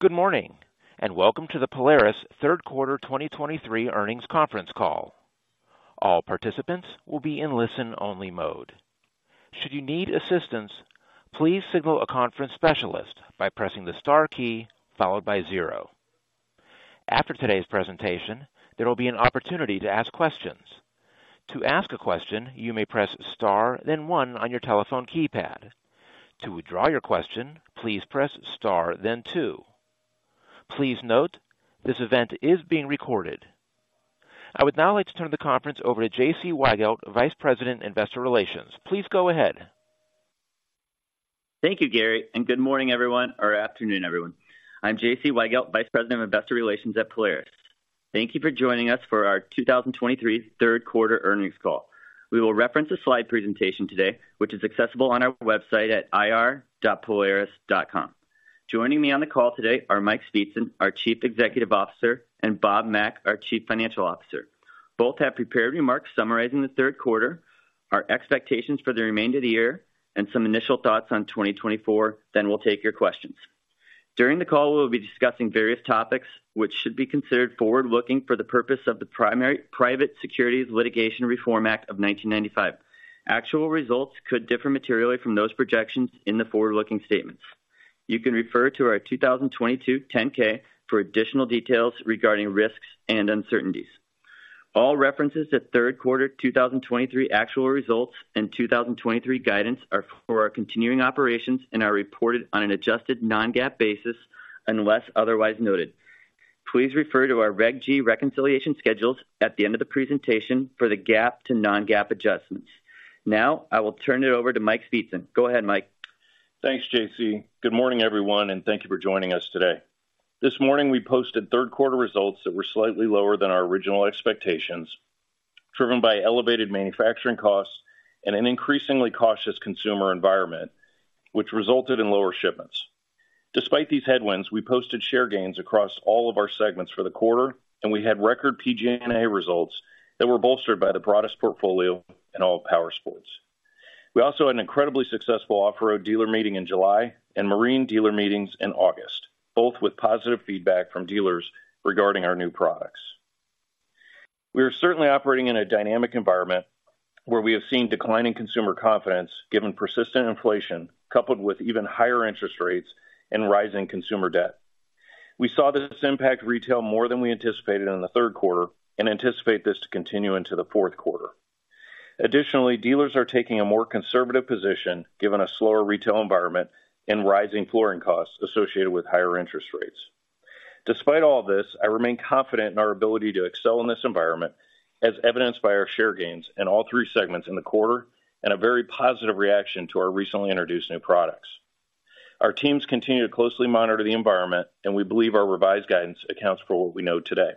Good morning, and welcome to the Polaris third quarter 2023 earnings conference call. All participants will be in listen-only mode. Should you need assistance, please signal a conference specialist by pressing the star key followed by zero. After today's presentation, there will be an opportunity to ask questions. To ask a question, you may press star, then one on your telephone keypad. To withdraw your question, please press star then two. Please note, this event is being recorded. I would now like to turn the conference over to J.C. Weigelt, Vice President, Investor Relations. Please go ahead. Thank you, Gary, and good morning, everyone, or afternoon, everyone. I'm J.C. Weigelt, Vice President of Investor Relations at Polaris. Thank you for joining us for our 2023 third quarter earnings call. We will reference a slide presentation today, which is accessible on our website at ir.polaris.com. Joining me on the call today are Mike Speetzen, our Chief Executive Officer, and Bob Mack, our Chief Financial Officer. Both have prepared remarks summarizing the third quarter, our expectations for the remainder of the year, and some initial thoughts on 2024. Then we'll take your questions. During the call, we will be discussing various topics, which should be considered forward-looking for the purpose of the Private Securities Litigation Reform Act of 1995. Actual results could differ materially from those projections in the forward-looking statements. You can refer to our 2022 10-K for additional details regarding risks and uncertainties. All references to third quarter 2023 actual results and 2023 guidance are for our continuing operations and are reported on an adjusted non-GAAP basis unless otherwise noted. Please refer to our Reg G reconciliation schedules at the end of the presentation for the GAAP to non-GAAP adjustments. Now, I will turn it over to Mike Speetzen. Go ahead, Mike. Thanks, J.C. Good morning, everyone, and thank you for joining us today. This morning, we posted third quarter results that were slightly lower than our original expectations, driven by elevated manufacturing costs and an increasingly cautious consumer environment, which resulted in lower shipments. Despite these headwinds, we posted share gains across all of our segments for the quarter, and we had record PG&A results that were bolstered by the broadest portfolio in all of powersports. We also had an incredibly successful off-road dealer meeting in July and marine dealer meetings in August, both with positive feedback from dealers regarding our new products. We are certainly operating in a dynamic environment where we have seen declining consumer confidence, given persistent inflation, coupled with even higher interest rates and rising consumer debt. We saw this impact retail more than we anticipated in the third quarter and anticipate this to continue into the fourth quarter. Additionally, dealers are taking a more conservative position, given a slower retail environment and rising flooring costs associated with higher interest rates. Despite all this, I remain confident in our ability to excel in this environment, as evidenced by our share gains in all three segments in the quarter and a very positive reaction to our recently introduced new products. Our teams continue to closely monitor the environment, and we believe our revised guidance accounts for what we know today.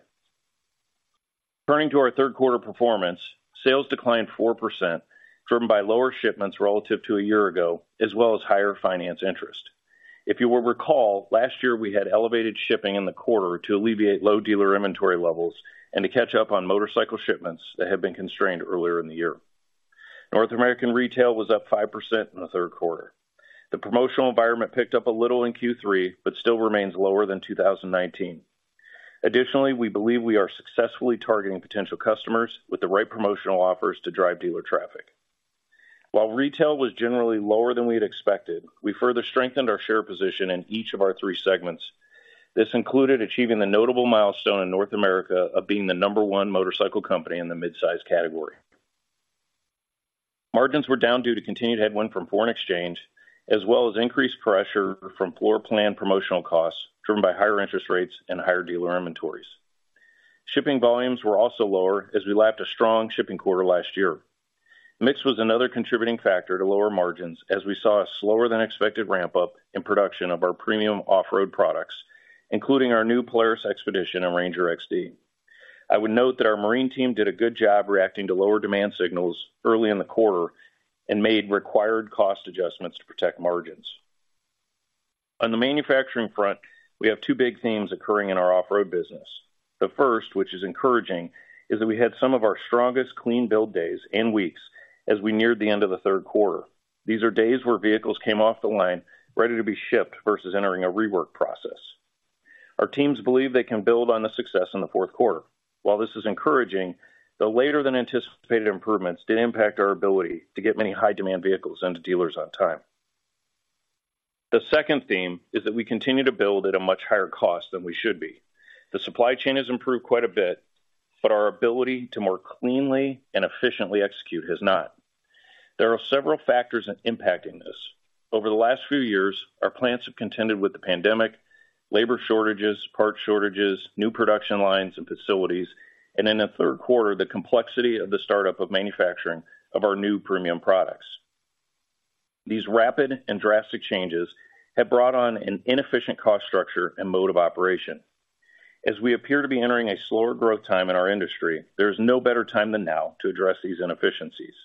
Turning to our third quarter performance, sales declined 4%, driven by lower shipments relative to a year ago, as well as higher finance interest. If you will recall, last year, we had elevated shipping in the quarter to alleviate low dealer inventory levels and to catch up on motorcycle shipments that had been constrained earlier in the year. North American retail was up 5% in the third quarter. The promotional environment picked up a little in Q3, but still remains lower than 2019. Additionally, we believe we are successfully targeting potential customers with the right promotional offers to drive dealer traffic. While retail was generally lower than we had expected, we further strengthened our share position in each of our three segments. This included achieving the notable milestone in North America of being the number one motorcycle company in the midsize category. Margins were down due to continued headwind from foreign exchange, as well as increased pressure from floor plan promotional costs, driven by higher interest rates and higher dealer inventories. Shipping volumes were also lower as we lapped a strong shipping quarter last year. Mix was another contributing factor to lower margins, as we saw a slower-than-expected ramp-up in production of our premium off-road products, including our new Polaris XPEDITION and RANGER XD. I would note that our marine team did a good job reacting to lower demand signals early in the quarter and made required cost adjustments to protect margins. On the manufacturing front, we have two big themes occurring in our off-road business. The first, which is encouraging, is that we had some of our strongest clean build days and weeks as we neared the end of the third quarter. These are days where vehicles came off the line, ready to be shipped versus entering a rework process. Our teams believe they can build on the success in the fourth quarter. While this is encouraging, the later-than-anticipated improvements did impact our ability to get many high-demand vehicles into dealers on time. The second theme is that we continue to build at a much higher cost than we should be. The supply chain has improved quite a bit, but our ability to more cleanly and efficiently execute has not. There are several factors impacting this. Over the last few years, our plants have contended with the pandemic, labor shortages, part shortages, new production lines and facilities, and in the third quarter, the complexity of the startup of manufacturing of our new premium products. These rapid and drastic changes have brought on an inefficient cost structure and mode of operation. As we appear to be entering a slower growth time in our industry, there is no better time than now to address these inefficiencies.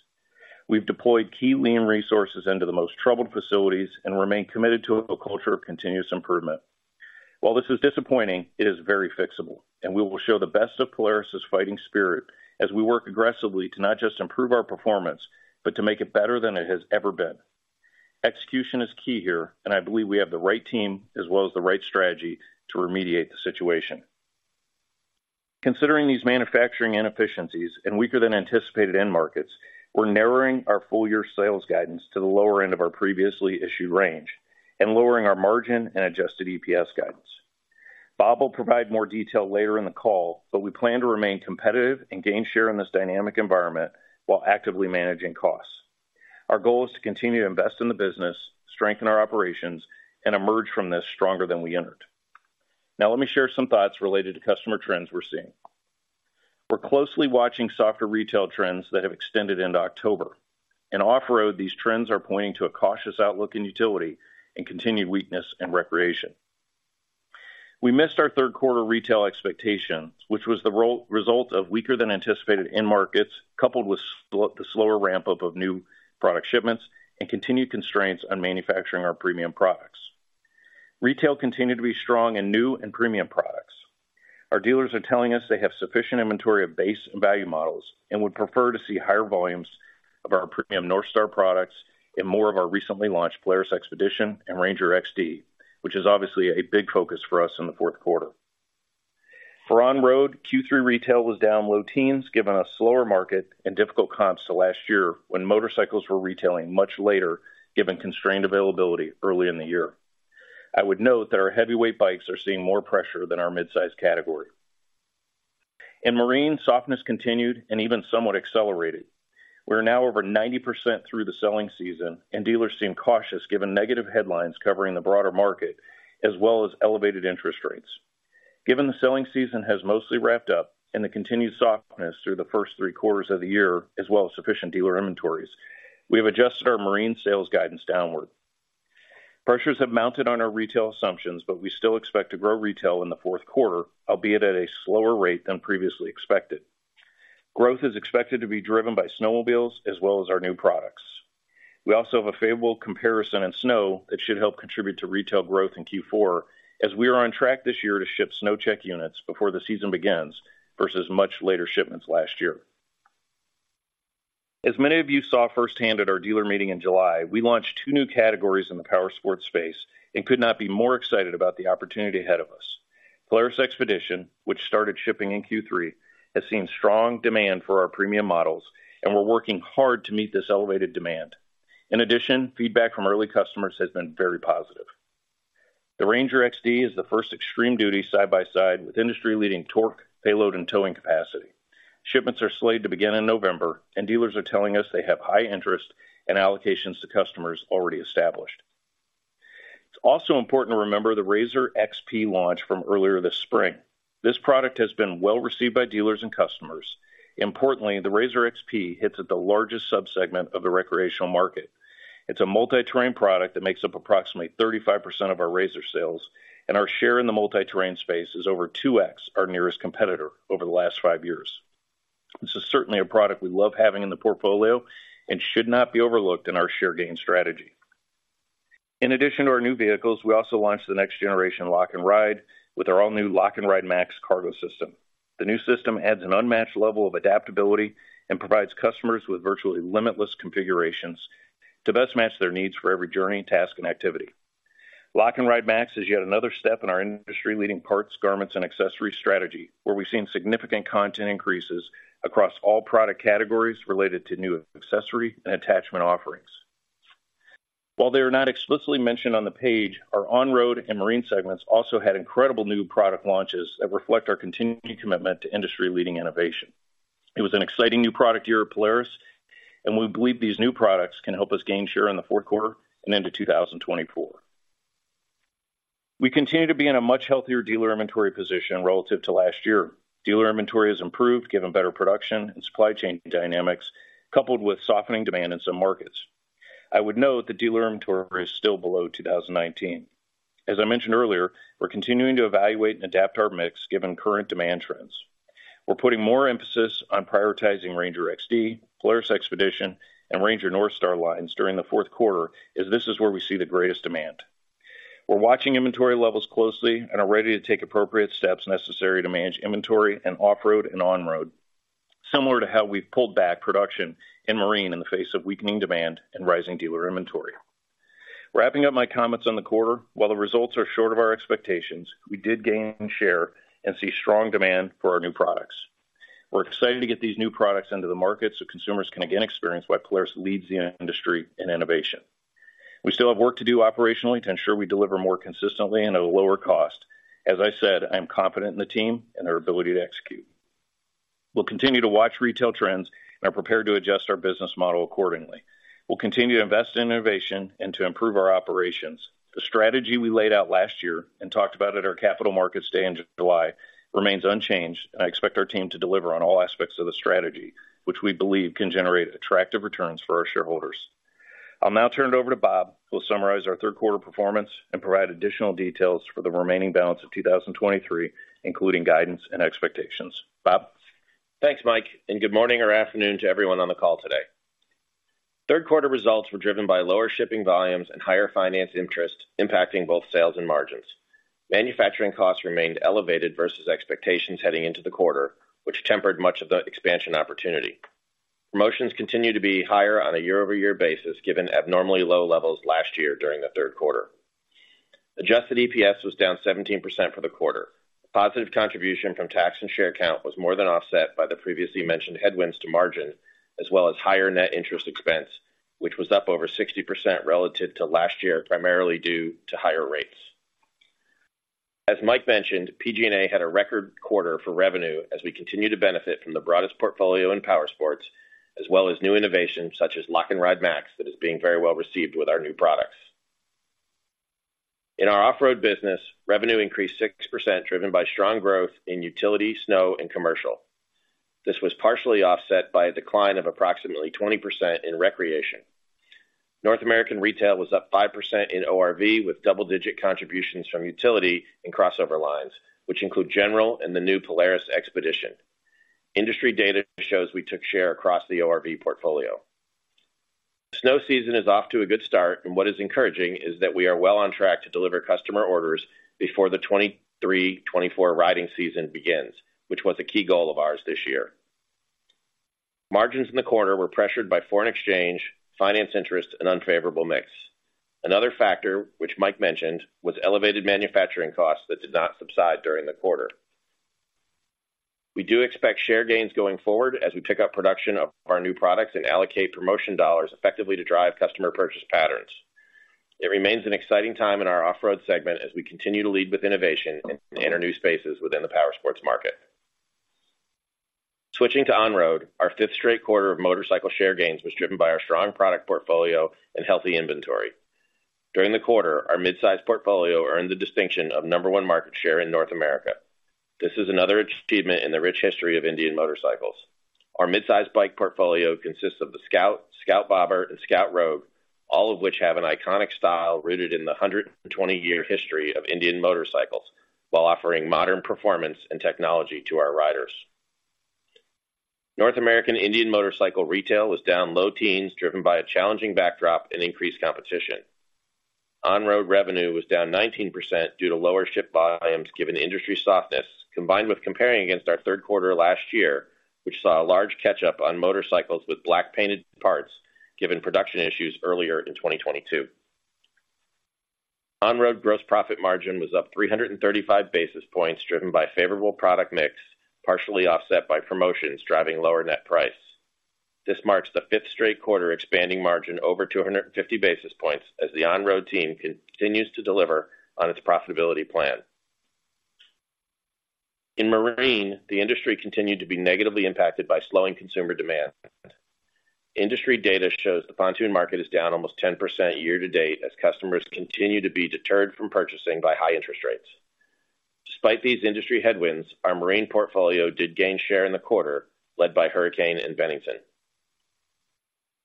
We've deployed key lean resources into the most troubled facilities and remain committed to a culture of continuous improvement. While this is disappointing, it is very fixable, and we will show the best of Polaris' fighting spirit as we work aggressively to not just improve our performance, but to make it better than it has ever been. Execution is key here, and I believe we have the right team as well as the right strategy to remediate the situation. Considering these manufacturing inefficiencies and weaker than anticipated end markets, we're narrowing our full year sales guidance to the lower end of our previously issued range and lowering our margin and adjusted EPS guidance. Bob will provide more detail later in the call, but we plan to remain competitive and gain share in this dynamic environment while actively managing costs. Our goal is to continue to invest in the business, strengthen our operations, and emerge from this stronger than we entered. Now, let me share some thoughts related to customer trends we're seeing. We're closely watching softer retail trends that have extended into October. In off-road, these trends are pointing to a cautious outlook in utility and continued weakness in recreation. We missed our third quarter retail expectations, which was the result of weaker than anticipated end markets, coupled with the slower ramp-up of new product shipments and continued constraints on manufacturing our premium products. Retail continued to be strong in new and premium products. Our dealers are telling us they have sufficient inventory of base and value models and would prefer to see higher volumes of our premium NorthStar products and more of our recently launched Polaris XPEDITION and RANGER XD, which is obviously a big focus for us in the fourth quarter. For on-road, Q3 retail was down low teens, given a slower market and difficult comps to last year, when motorcycles were retailing much later, given constrained availability early in the year. I would note that our heavyweight bikes are seeing more pressure than our mid-size category. In marine, softness continued and even somewhat accelerated. We're now over 90% through the selling season, and dealers seem cautious, given negative headlines covering the broader market, as well as elevated interest rates. Given the selling season has mostly wrapped up and the continued softness through the first three quarters of the year, as well as sufficient dealer inventories, we have adjusted our marine sales guidance downward. Pressures have mounted on our retail assumptions, but we still expect to grow retail in the fourth quarter, albeit at a slower rate than previously expected. Growth is expected to be driven by snowmobiles as well as our new products. We also have a favorable comparison in snow that should help contribute to retail growth in Q4, as we are on track this year to ship SnowCheck units before the season begins, versus much later shipments last year. As many of you saw firsthand at our dealer meeting in July, we launched two new categories in the powersports space and could not be more excited about the opportunity ahead of us. Polaris XPEDITION, which started shipping in Q3, has seen strong demand for our premium models, and we're working hard to meet this elevated demand. In addition, feedback from early customers has been very positive. The RANGER XD is the first extreme duty side-by-side, with industry-leading torque, payload, and towing capacity. Shipments are slated to begin in November, and dealers are telling us they have high interest and allocations to customers already established. It's also important to remember the RZR XP launch from earlier this spring. This product has been well-received by dealers and customers. Importantly, the RZR XP hits at the largest subsegment of the recreational market. It's a multi-terrain product that makes up approximately 35% of our RZR sales, and our share in the multi-terrain space is over 2x our nearest competitor over the last five years. This is certainly a product we love having in the portfolio and should not be overlooked in our share gain strategy. In addition to our new vehicles, we also launched the next generation Lock & Ride with our all-new Lock & Ride MAX cargo system. The new system adds an unmatched level of adaptability and provides customers with virtually limitless configurations to best match their needs for every journey, task, and activity. Lock & Ride MAX is yet another step in our industry-leading parts, garments, and accessories strategy, where we've seen significant content increases across all product categories related to new accessory and attachment offerings. While they are not explicitly mentioned on the page, our on-road and marine segments also had incredible new product launches that reflect our continuing commitment to industry-leading innovation. It was an exciting new product year at Polaris, and we believe these new products can help us gain share in the fourth quarter and into 2024. We continue to be in a much healthier dealer inventory position relative to last year. Dealer inventory has improved, given better production and supply chain dynamics, coupled with softening demand in some markets. I would note that dealer inventory is still below 2019. As I mentioned earlier, we're continuing to evaluate and adapt our mix, given current demand trends. We're putting more emphasis on prioritizing RANGER XD, Polaris XPEDITION, and RANGER NorthStar lines during the fourth quarter, as this is where we see the greatest demand. We're watching inventory levels closely and are ready to take appropriate steps necessary to manage inventory in off-road and on-road, similar to how we've pulled back production in marine in the face of weakening demand and rising dealer inventory. Wrapping up my comments on the quarter, while the results are short of our expectations, we did gain share and see strong demand for our new products. We're excited to get these new products into the market so consumers can again experience why Polaris leads the industry in innovation. We still have work to do operationally to ensure we deliver more consistently and at a lower cost. As I said, I am confident in the team and their ability to execute. We'll continue to watch retail trends and are prepared to adjust our business model accordingly. We'll continue to invest in innovation and to improve our operations. The strategy we laid out last year and talked about at our Capital Markets Day in July remains unchanged, and I expect our team to deliver on all aspects of the strategy, which we believe can generate attractive returns for our shareholders. I'll now turn it over to Bob, who will summarize our third quarter performance and provide additional details for the remaining balance of 2023, including guidance and expectations. Bob? Thanks, Mike, and good morning or afternoon to everyone on the call today. Third quarter results were driven by lower shipping volumes and higher finance interest, impacting both sales and margins. Manufacturing costs remained elevated versus expectations heading into the quarter, which tempered much of the expansion opportunity. Promotions continue to be higher on a year-over-year basis, given abnormally low levels last year during the third quarter. Adjusted EPS was down 17% for the quarter. Positive contribution from tax and share count was more than offset by the previously mentioned headwinds to margin, as well as higher net interest expense, which was up over 60% relative to last year, primarily due to higher rates. As Mike mentioned, PG&A had a record quarter for revenue as we continue to benefit from the broadest portfolio in powersports, as well as new innovations such as Lock & Ride MAX, that is being very well received with our new products. In our off-road business, revenue increased 6%, driven by strong growth in utility, snow, and commercial. This was partially offset by a decline of approximately 20% in recreation. North American retail was up 5% in ORV, with double-digit contributions from utility and crossover lines, which include GENERAL and the new Polaris XPEDITION. Industry data shows we took share across the ORV portfolio. Snow season is off to a good start, and what is encouraging is that we are well on track to deliver customer orders before the 2023-2024 riding season begins, which was a key goal of ours this year. Margins in the quarter were pressured by foreign exchange, finance interest, and unfavorable mix. Another factor, which Mike mentioned, was elevated manufacturing costs that did not subside during the quarter. We do expect share gains going forward as we pick up production of our new products and allocate promotion dollars effectively to drive customer purchase patterns. It remains an exciting time in our off-road segment as we continue to lead with innovation and enter new spaces within the powersports market. Switching to on-road, our fifth straight quarter of motorcycle share gains was driven by our strong product portfolio and healthy inventory. During the quarter, our midsize portfolio earned the distinction of number one market share in North America. This is another achievement in the rich history of Indian Motorcycle. Our midsize bike portfolio consists of the Scout, Scout Bobber, and Scout Rogue, all of which have an iconic style rooted in the 120-year history of Indian motorcycles while offering modern performance and technology to our riders. North American Indian motorcycle retail was down low teens, driven by a challenging backdrop and increased competition. On-road revenue was down 19% due to lower ship volumes, given industry softness, combined with comparing against our third quarter last year, which saw a large catch-up on motorcycles with black painted parts, given production issues earlier in 2022. On-road gross profit margin was up 335 basis points, driven by favorable product mix, partially offset by promotions, driving lower net price. This marks the fifth straight quarter, expanding margin over 250 basis points as the on-road team continues to deliver on its profitability plan. In marine, the industry continued to be negatively impacted by slowing consumer demand. Industry data shows the pontoon market is down almost 10% year to date, as customers continue to be deterred from purchasing by high interest rates. Despite these industry headwinds, our marine portfolio did gain share in the quarter, led by Hurricane and Bennington.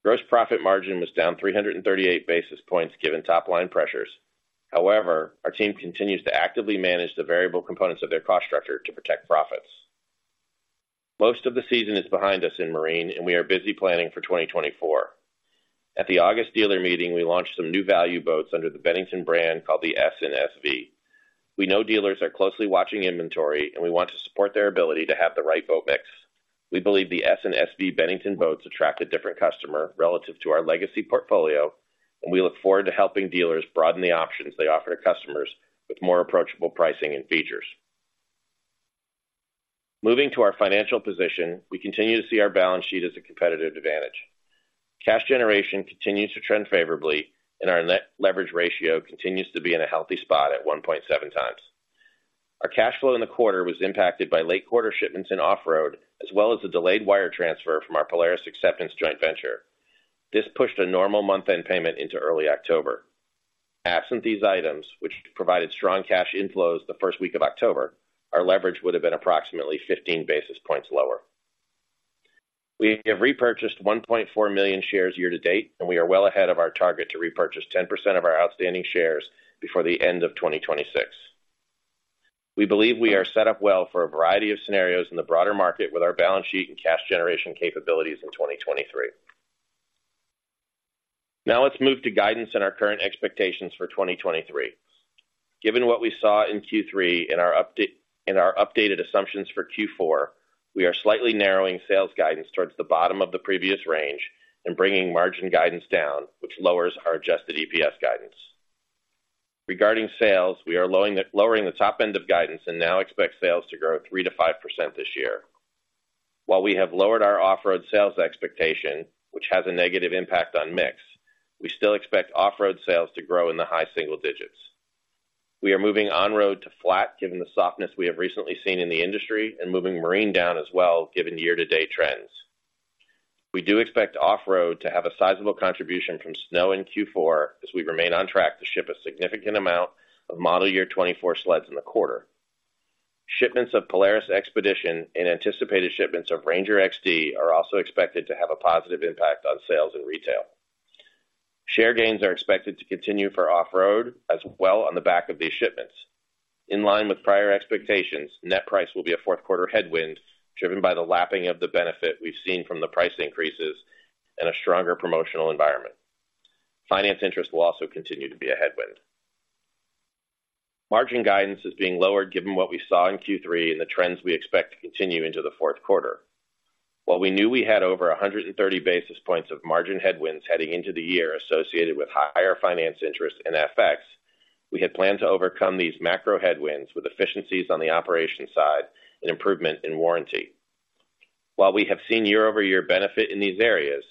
Gross profit margin was down 338 basis points given top-line pressures. However, our team continues to actively manage the variable components of their cost structure to protect profits. Most of the season is behind us in marine, and we are busy planning for 2024. At the August dealer meeting, we launched some new value boats under the Bennington brand called the S and SV. We know dealers are closely watching inventory, and we want to support their ability to have the right boat mix. We believe the S and SV Bennington boats attract a different customer relative to our legacy portfolio, and we look forward to helping dealers broaden the options they offer to customers with more approachable pricing and features. Moving to our financial position, we continue to see our balance sheet as a competitive advantage. Cash generation continues to trend favorably, and our net leverage ratio continues to be in a healthy spot at 1.7 times. Our cash flow in the quarter was impacted by late quarter shipments in off-road, as well as a delayed wire transfer from our Polaris Acceptance joint venture. This pushed a normal month-end payment into early October. Absent these items, which provided strong cash inflows the first week of October, our leverage would have been approximately 15 basis points lower. We have repurchased 1.4 million shares year to date, and we are well ahead of our target to repurchase 10% of our outstanding shares before the end of 2026. We believe we are set up well for a variety of scenarios in the broader market with our balance sheet and cash generation capabilities in 2023. Now let's move to guidance and our current expectations for 2023. Given what we saw in Q3 and our update and our updated assumptions for Q4, we are slightly narrowing sales guidance towards the bottom of the previous range and bringing margin guidance down, which lowers our adjusted EPS guidance. Regarding sales, we are lowering the top end of guidance and now expect sales to grow 3%-5% this year. While we have lowered our off-road sales expectation, which has a negative impact on mix, we still expect off-road sales to grow in the high single digits. We are moving on-road to flat, given the softness we have recently seen in the industry, and moving marine down as well, given year-to-date trends. We do expect off-road to have a sizable contribution from snow in Q4 as we remain on track to ship a significant amount of model year 2024 sleds in the quarter. Shipments of Polaris XPEDITION and anticipated shipments of RANGER XD are also expected to have a positive impact on sales and retail. Share gains are expected to continue for off-road as well on the back of these shipments. In line with prior expectations, net price will be a fourth quarter headwind, driven by the lapping of the benefit we've seen from the price increases and a stronger promotional environment. Finance interest will also continue to be a headwind. Margin guidance is being lowered given what we saw in Q3 and the trends we expect to continue into the fourth quarter. While we knew we had over 130 basis points of margin headwinds heading into the year associated with higher finance interest and FX, we had planned to overcome these macro headwinds with efficiencies on the operation side and improvement in warranty. While we have seen year-over-year benefit in these areas,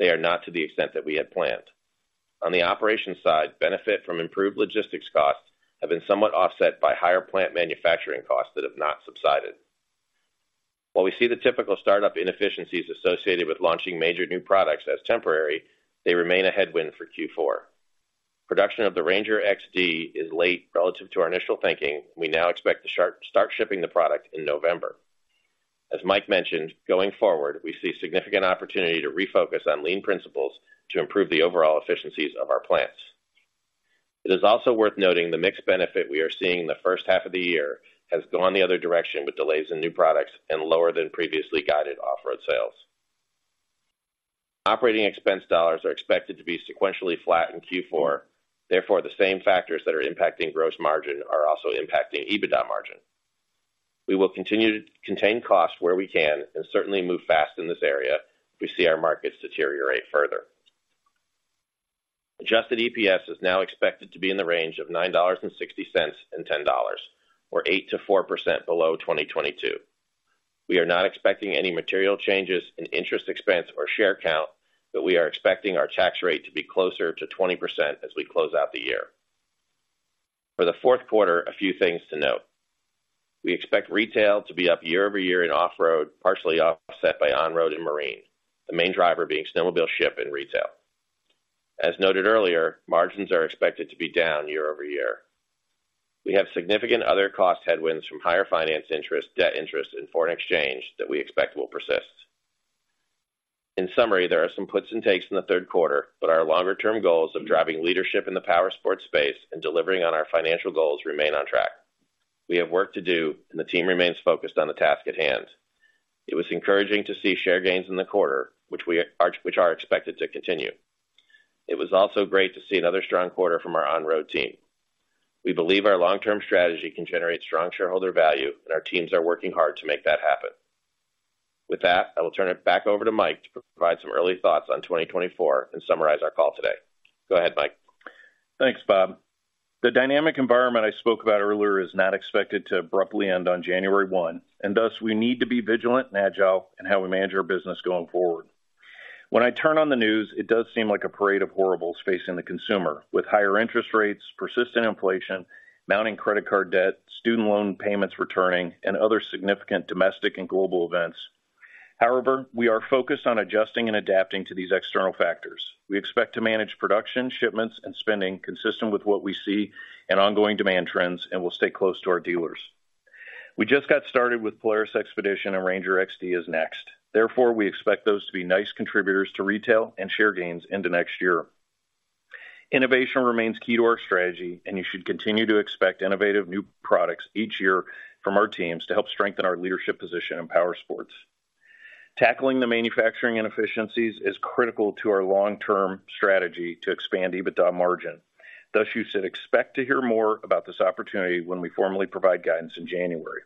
they are not to the extent that we had planned. On the operation side, benefit from improved logistics costs have been somewhat offset by higher plant manufacturing costs that have not subsided. While we see the typical startup inefficiencies associated with launching major new products as temporary, they remain a headwind for Q4. Production of the RANGER XD is late relative to our initial thinking. We now expect to start shipping the product in November. As Mike mentioned, going forward, we see significant opportunity to refocus on lean principles to improve the overall efficiencies of our plants. It is also worth noting the mixed benefit we are seeing in the first half of the year has gone the other direction, with delays in new products and lower than previously guided off-road sales. Operating expense dollars are expected to be sequentially flat in Q4. Therefore, the same factors that are impacting gross margin are also impacting EBITDA margin. We will continue to contain costs where we can and certainly move fast in this area if we see our markets deteriorate further. Adjusted EPS is now expected to be in the range of $9.60-$10, or 8%-4% below 2022. We are not expecting any material changes in interest expense or share count, but we are expecting our tax rate to be closer to 20% as we close out the year. For the fourth quarter, a few things to note. We expect retail to be up year-over-year in off-road, partially offset by on-road and marine, the main driver being snowmobile ship and retail. As noted earlier, margins are expected to be down year-over-year. We have significant other cost headwinds from higher finance interest, debt interest, and foreign exchange that we expect will persist. In summary, there are some puts and takes in the third quarter, but our longer-term goals of driving leadership in the powersports space and delivering on our financial goals remain on track. We have work to do and the team remains focused on the task at hand. It was encouraging to see share gains in the quarter, which are expected to continue. It was also great to see another strong quarter from our on-road team. We believe our long-term strategy can generate strong shareholder value, and our teams are working hard to make that happen. With that, I will turn it back over to Mike to provide some early thoughts on 2024 and summarize our call today. Go ahead, Mike. Thanks, Bob. The dynamic environment I spoke about earlier is not expected to abruptly end on January one, and thus we need to be vigilant and agile in how we manage our business going forward. When I turn on the news, it does seem like a parade of horribles facing the consumer, with higher interest rates, persistent inflation, mounting credit card debt, student loan payments returning, and other significant domestic and global events. However, we are focused on adjusting and adapting to these external factors. We expect to manage production, shipments, and spending consistent with what we see in ongoing demand trends, and we'll stay close to our dealers. We just got started with Polaris XPEDITION and RANGER XD is next. Therefore, we expect those to be nice contributors to retail and share gains into next year. Innovation remains key to our strategy, and you should continue to expect innovative new products each year from our teams to help strengthen our leadership position in powersports. Tackling the manufacturing inefficiencies is critical to our long-term strategy to expand EBITDA margin. Thus, you should expect to hear more about this opportunity when we formally provide guidance in January.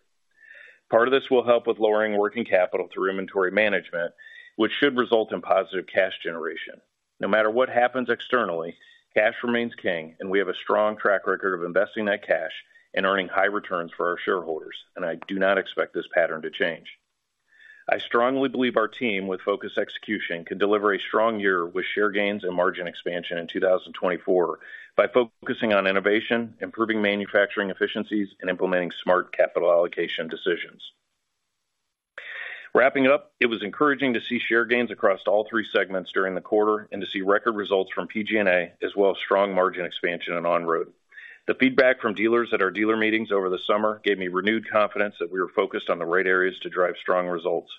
Part of this will help with lowering working capital through inventory management, which should result in positive cash generation. No matter what happens externally, cash remains king, and we have a strong track record of investing that cash and earning high returns for our shareholders, and I do not expect this pattern to change. I strongly believe our team, with focused execution, can deliver a strong year with share gains and margin expansion in 2024 by focusing on innovation, improving manufacturing efficiencies, and implementing smart capital allocation decisions. Wrapping up, it was encouraging to see share gains across all three segments during the quarter and to see record results from PG&A, as well as strong margin expansion in on-road. The feedback from dealers at our dealer meetings over the summer gave me renewed confidence that we are focused on the right areas to drive strong results.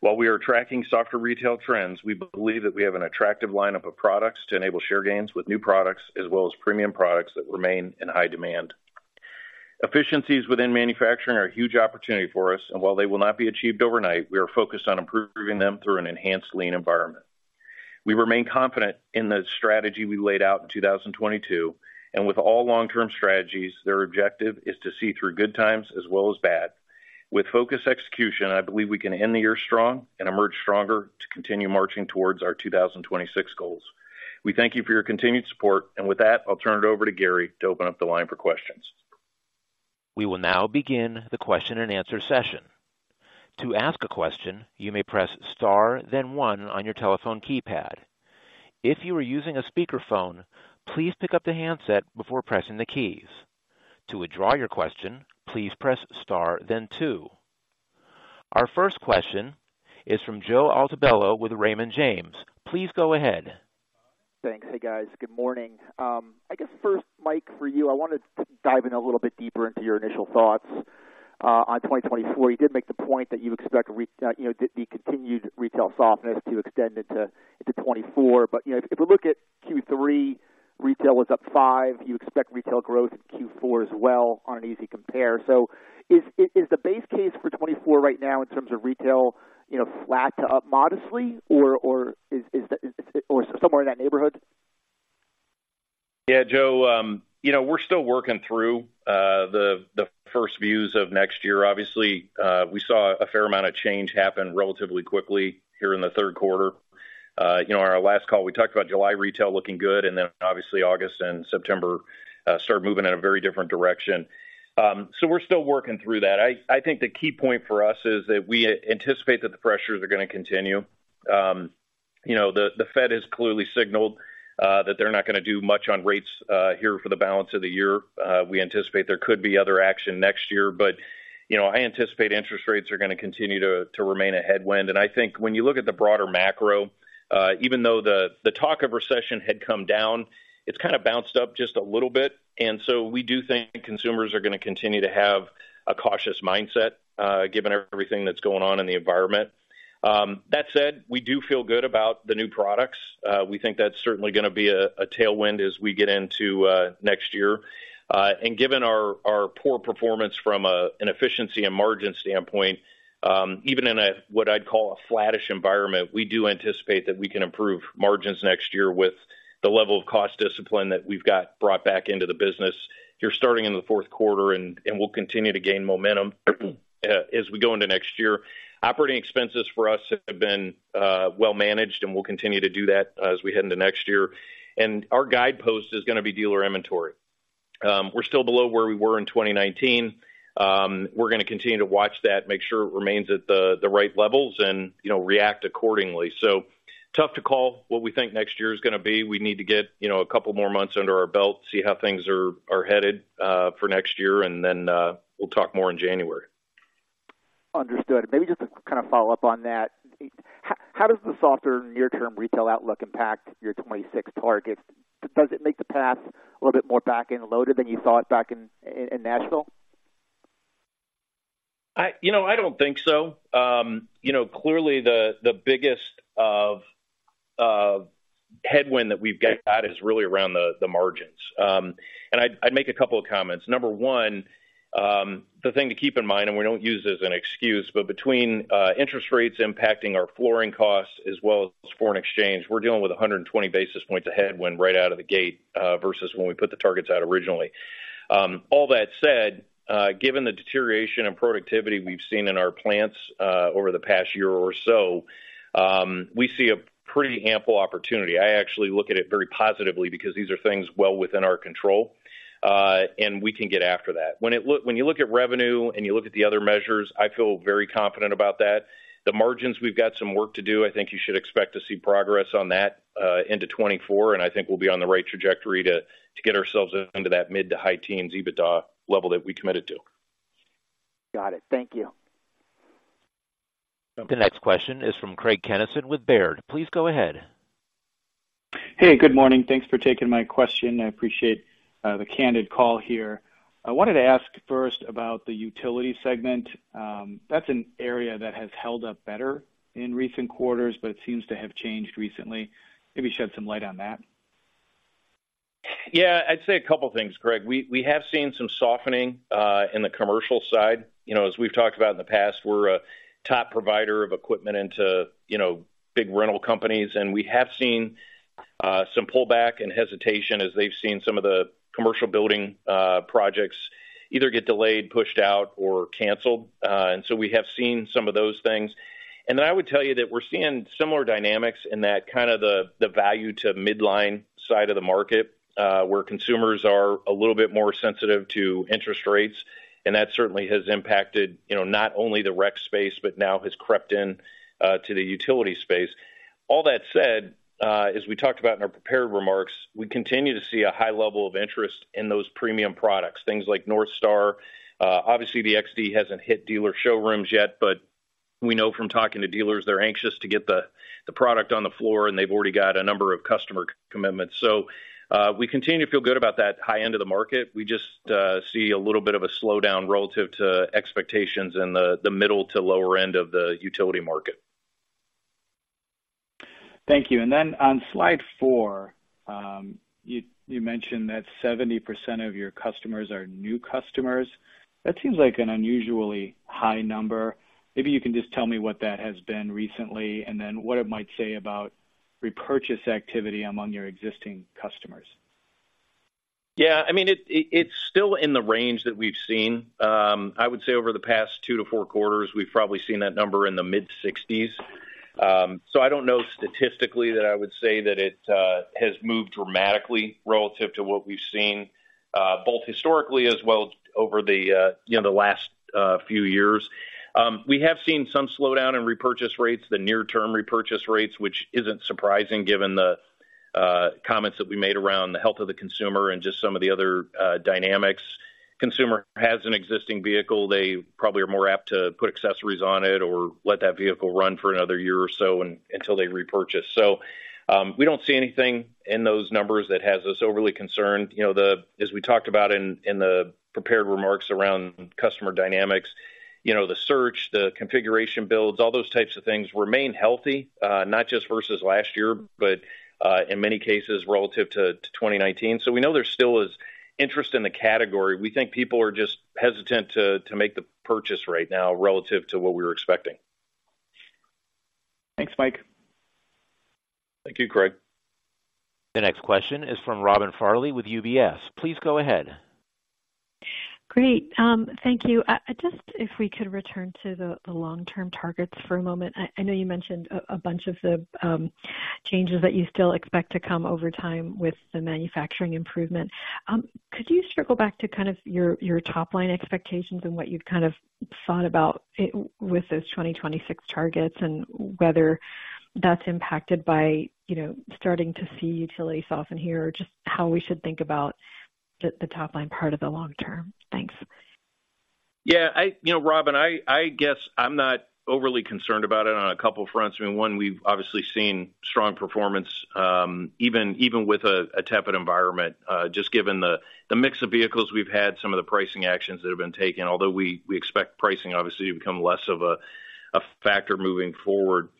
While we are tracking softer retail trends, we believe that we have an attractive lineup of products to enable share gains with new products, as well as premium products that remain in high demand. Efficiencies within manufacturing are a huge opportunity for us, and while they will not be achieved overnight, we are focused on improving them through an enhanced lean environment. We remain confident in the strategy we laid out in 2022, and with all long-term strategies, their objective is to see through good times as well as bad. With focused execution, I believe we can end the year strong and emerge stronger to continue marching towards our 2026 goals. We thank you for your continued support, and with that, I'll turn it over to Gary to open up the line for questions. We will now begin the question-and-answer session. To ask a question, you may press Star, then one on your telephone keypad. If you are using a speakerphone, please pick up the handset before pressing the keys. To withdraw your question, please press Star then two. Our first question is from Joe Altobello with Raymond James. Please go ahead. Thanks. Hey, guys. Good morning. I guess first, Mike, for you, I wanted to dive in a little bit deeper into your initial thoughts on 2024. You did make the point that you expect you know, the continued retail softness to extend into, into 2024. But, you know, if we look at Q3, retail was up 5%. You expect retail growth in Q4 as well on an easy compare. So is the base case for 2024 right now in terms of retail, you know, flat to up modestly or, or is the or somewhere in that neighborhood?... Yeah, Joe, you know, we're still working through the first views of next year. Obviously, we saw a fair amount of change happen relatively quickly here in the third quarter. You know, on our last call, we talked about July retail looking good, and then obviously, August and September started moving in a very different direction. So we're still working through that. I think the key point for us is that we anticipate that the pressures are going to continue. You know, the Fed has clearly signaled that they're not going to do much on rates here for the balance of the year. We anticipate there could be other action next year, but, you know, I anticipate interest rates are going to continue to remain a headwind. I think when you look at the broader macro, even though the talk of recession had come down, it's kind of bounced up just a little bit. So we do think consumers are going to continue to have a cautious mindset, given everything that's going on in the environment. That said, we do feel good about the new products. We think that's certainly going to be a tailwind as we get into next year. Given our core performance from an efficiency and margin standpoint, even in what I'd call a flattish environment, we do anticipate that we can improve margins next year with the level of cost discipline that we've got brought back into the business here, starting in the fourth quarter, and we'll continue to gain momentum as we go into next year. Operating expenses for us have been well managed, and we'll continue to do that as we head into next year. Our guidepost is going to be dealer inventory. We're still below where we were in 2019. We're going to continue to watch that, make sure it remains at the right levels and, you know, react accordingly. Tough to call what we think next year is going to be. We need to get, you know, a couple more months under our belt, see how things are headed, for next year, and then, we'll talk more in January. Understood. Maybe just to kind of follow up on that, how does the softer near-term retail outlook impact your 26 target? Does it make the path a little bit more back-end loaded than you thought back in Nashville? You know, I don't think so. You know, clearly, the biggest headwind that we've got is really around the margins. And I'd make a couple of comments. Number one, the thing to keep in mind, and we don't use it as an excuse, but between interest rates impacting our flooring costs as well as foreign exchange, we're dealing with 120 basis points of headwind right out of the gate, versus when we put the targets out originally. All that said, given the deterioration in productivity we've seen in our plants, over the past year or so, we see a pretty ample opportunity. I actually look at it very positively because these are things well within our control, and we can get after that. When you look at revenue and you look at the other measures, I feel very confident about that. The margins, we've got some work to do. I think you should expect to see progress on that into 2024, and I think we'll be on the right trajectory to get ourselves into that mid- to high-teens EBITDA level that we committed to. Got it. Thank you. The next question is from Craig Kennison with Baird. Please go ahead. Hey, good morning. Thanks for taking my question. I appreciate the candid call here. I wanted to ask first about the utility segment. That's an area that has held up better in recent quarters, but it seems to have changed recently. Maybe shed some light on that. Yeah, I'd say a couple things, Craig. We have seen some softening in the commercial side. You know, as we've talked about in the past, we're a top provider of equipment into, you know, big rental companies, and we have seen some pullback and hesitation as they've seen some of the commercial building projects either get delayed, pushed out or canceled. And so we have seen some of those things. And then I would tell you that we're seeing similar dynamics in that kind of the value to midline side of the market, where consumers are a little bit more sensitive to interest rates, and that certainly has impacted, you know, not only the rec space, but now has crept in to the utility space. All that said, as we talked about in our prepared remarks, we continue to see a high level of interest in those premium products, things like NorthStar. Obviously, the XD hasn't hit dealer showrooms yet, but we know from talking to dealers, they're anxious to get the product on the floor, and they've already got a number of customer commitments. So, we continue to feel good about that high end of the market. We just see a little bit of a slowdown relative to expectations in the middle to lower end of the utility market. Thank you. Then on slide 4, you mentioned that 70% of your customers are new customers. That seems like an unusually high number. Maybe you can just tell me what that has been recently, and then what it might say about repurchase activity among your existing customers. Yeah, I mean, it’s still in the range that we’ve seen. I would say over the past 2-4 quarters, we’ve probably seen that number in the mid-60s. So I don’t know statistically that I would say that it has moved dramatically relative to what we’ve seen, both historically as well over the, you know, the last few years. We have seen some slowdown in repurchase rates, the near-term repurchase rates, which isn’t surprising given the comments that we made around the health of the consumer and just some of the other dynamics. Consumer has an existing vehicle, they probably are more apt to put accessories on it or let that vehicle run for another year or so until they repurchase. So, we don’t see anything in those numbers that has us overly concerned. You know, as we talked about in the prepared remarks around customer dynamics, you know, the search, the configuration builds, all those types of things remain healthy, not just versus last year, but in many cases relative to 2019. So we know there still is interest in the category. We think people are just hesitant to make the purchase right now relative to what we were expecting.... Thanks, Mike. Thank you, Craig. The next question is from Robin Farley with UBS. Please go ahead. Great. Thank you. Just if we could return to the long-term targets for a moment. I know you mentioned a bunch of the changes that you still expect to come over time with the manufacturing improvement. Could you circle back to kind of your top-line expectations and what you've kind of thought about it with those 2026 targets and whether that's impacted by, you know, starting to see utilities soften here, just how we should think about the top line part of the long term? Thanks. Yeah, I you know, Robin, I guess I'm not overly concerned about it on a couple of fronts. I mean, one, we've obviously seen strong performance, even, even with a tepid environment, just given the mix of vehicles we've had, some of the pricing actions that have been taken, although we expect pricing obviously to become less of a factor moving forward.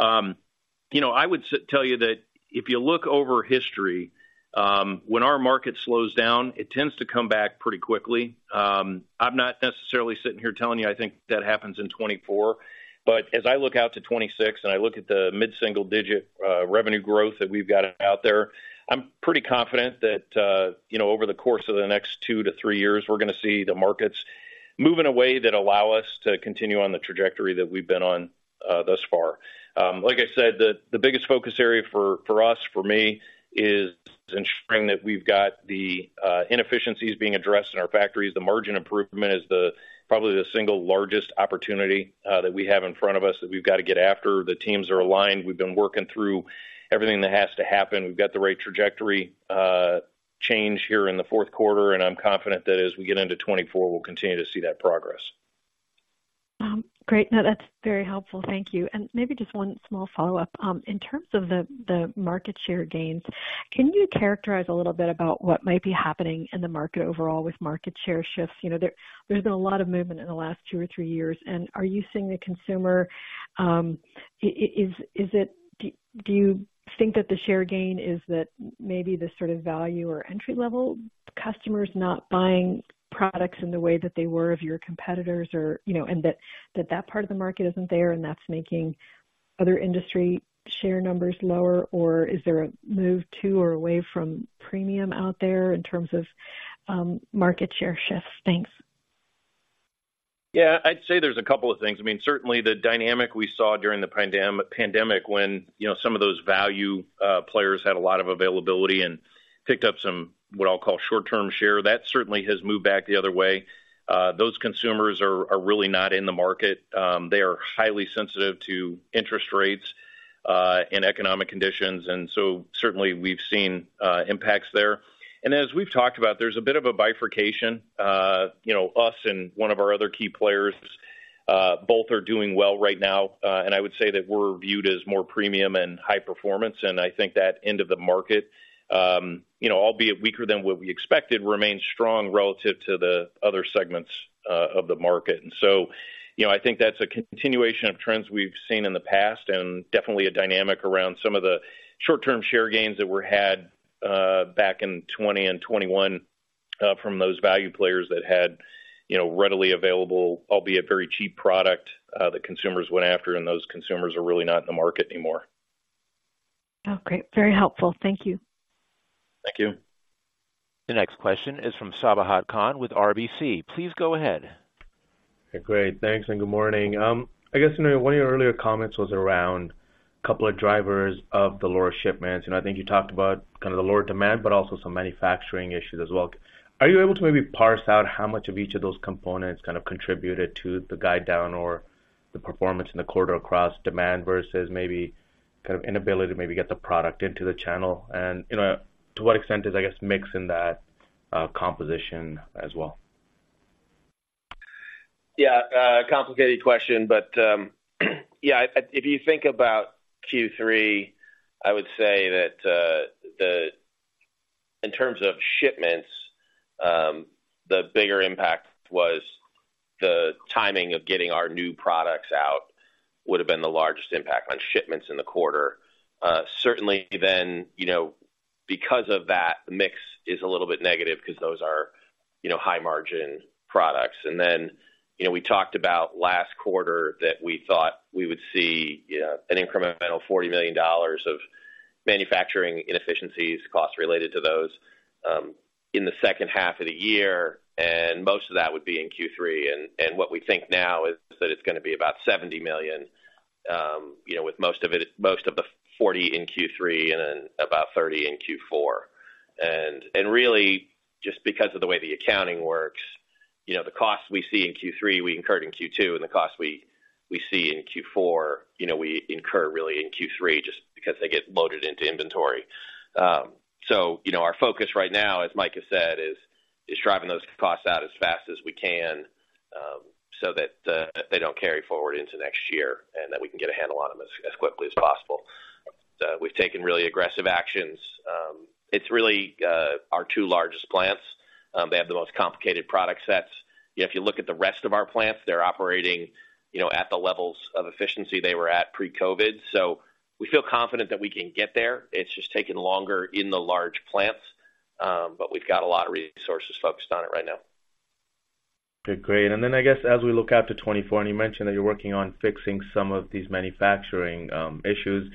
You know, I would tell you that if you look over history, when our market slows down, it tends to come back pretty quickly. I'm not necessarily sitting here telling you I think that happens in 2024, but as I look out to 2026 and I look at the mid-single digit revenue growth that we've got out there, I'm pretty confident that, you know, over the course of the next 2 to 3 years, we're going to see the markets move in a way that allow us to continue on the trajectory that we've been on, thus far. Like I said, the biggest focus area for us, for me, is ensuring that we've got the inefficiencies being addressed in our factories. The margin improvement is probably the single largest opportunity that we have in front of us, that we've got to get after. The teams are aligned. We've been working through everything that has to happen. We've got the right trajectory, change here in the fourth quarter, and I'm confident that as we get into 2024, we'll continue to see that progress. Great. No, that's very helpful. Thank you. And maybe just one small follow-up. In terms of the market share gains, can you characterize a little bit about what might be happening in the market overall with market share shifts? You know, there's been a lot of movement in the last two or three years. And are you seeing the consumer, is it, do you think that the share gain is that maybe the sort of value or entry-level customers not buying products in the way that they were of your competitors or, you know, and that part of the market isn't there and that's making other industry share numbers lower? Or is there a move to or away from premium out there in terms of market share shifts? Thanks. Yeah, I'd say there's a couple of things. I mean, certainly the dynamic we saw during the pandemic, when, you know, some of those value players had a lot of availability and picked up some, what I'll call short-term share, that certainly has moved back the other way. Those consumers are really not in the market. They are highly sensitive to interest rates and economic conditions, and so certainly we've seen impacts there. And as we've talked about, there's a bit of a bifurcation. You know, us and one of our other key players both are doing well right now. I would say that we're viewed as more premium and high performance, and I think that end of the market, you know, albeit weaker than what we expected, remains strong relative to the other segments of the market. And so, you know, I think that's a continuation of trends we've seen in the past and definitely a dynamic around some of the short-term share gains that were had back in 2020 and 2021 from those value players that had, you know, readily available, albeit very cheap product that consumers went after, and those consumers are really not in the market anymore. Oh, great. Very helpful. Thank you. Thank you. The next question is from Sabahat Khan with RBC. Please go ahead. Great. Thanks, and good morning. I guess, you know, one of your earlier comments was around a couple of drivers of the lower shipments, and I think you talked about kind of the lower demand, but also some manufacturing issues as well. Are you able to maybe parse out how much of each of those components kind of contributed to the guide down or the performance in the quarter across demand versus maybe kind of inability to maybe get the product into the channel? And, you know, to what extent is, I guess, mix in that, composition as well? Yeah, complicated question, but, yeah, if you think about Q3, I would say that, in terms of shipments, the bigger impact was the timing of getting our new products out, would have been the largest impact on shipments in the quarter. Certainly then, you know, because of that, the mix is a little bit negative because those are, you know, high-margin products. And then, you know, we talked about last quarter that we thought we would see, an incremental $40 million of manufacturing inefficiencies, costs related to those, in the second half of the year, and most of that would be in Q3. And what we think now is that it's going to be about $70 million, you know, with most of it, most of the 40 in Q3 and then about 30 in Q4. And really, just because of the way the accounting works, you know, the costs we see in Q3, we incurred in Q2, and the costs we see in Q4, you know, we incur really in Q3 just because they get loaded into inventory. So, you know, our focus right now, as Mike has said, is driving those costs out as fast as we can, so that they don't carry forward into next year, and that we can get a handle on them as quickly as possible. We've taken really aggressive actions. It's really our two largest plants. They have the most complicated product sets. If you look at the rest of our plants, they're operating, you know, at the levels of efficiency they were at Pre-COVID. So we feel confident that we can get there. It's just taking longer in the large plants, but we've got a lot of resources focused on it right now.... Okay, great. And then I guess as we look out to 2024, and you mentioned that you're working on fixing some of these manufacturing issues,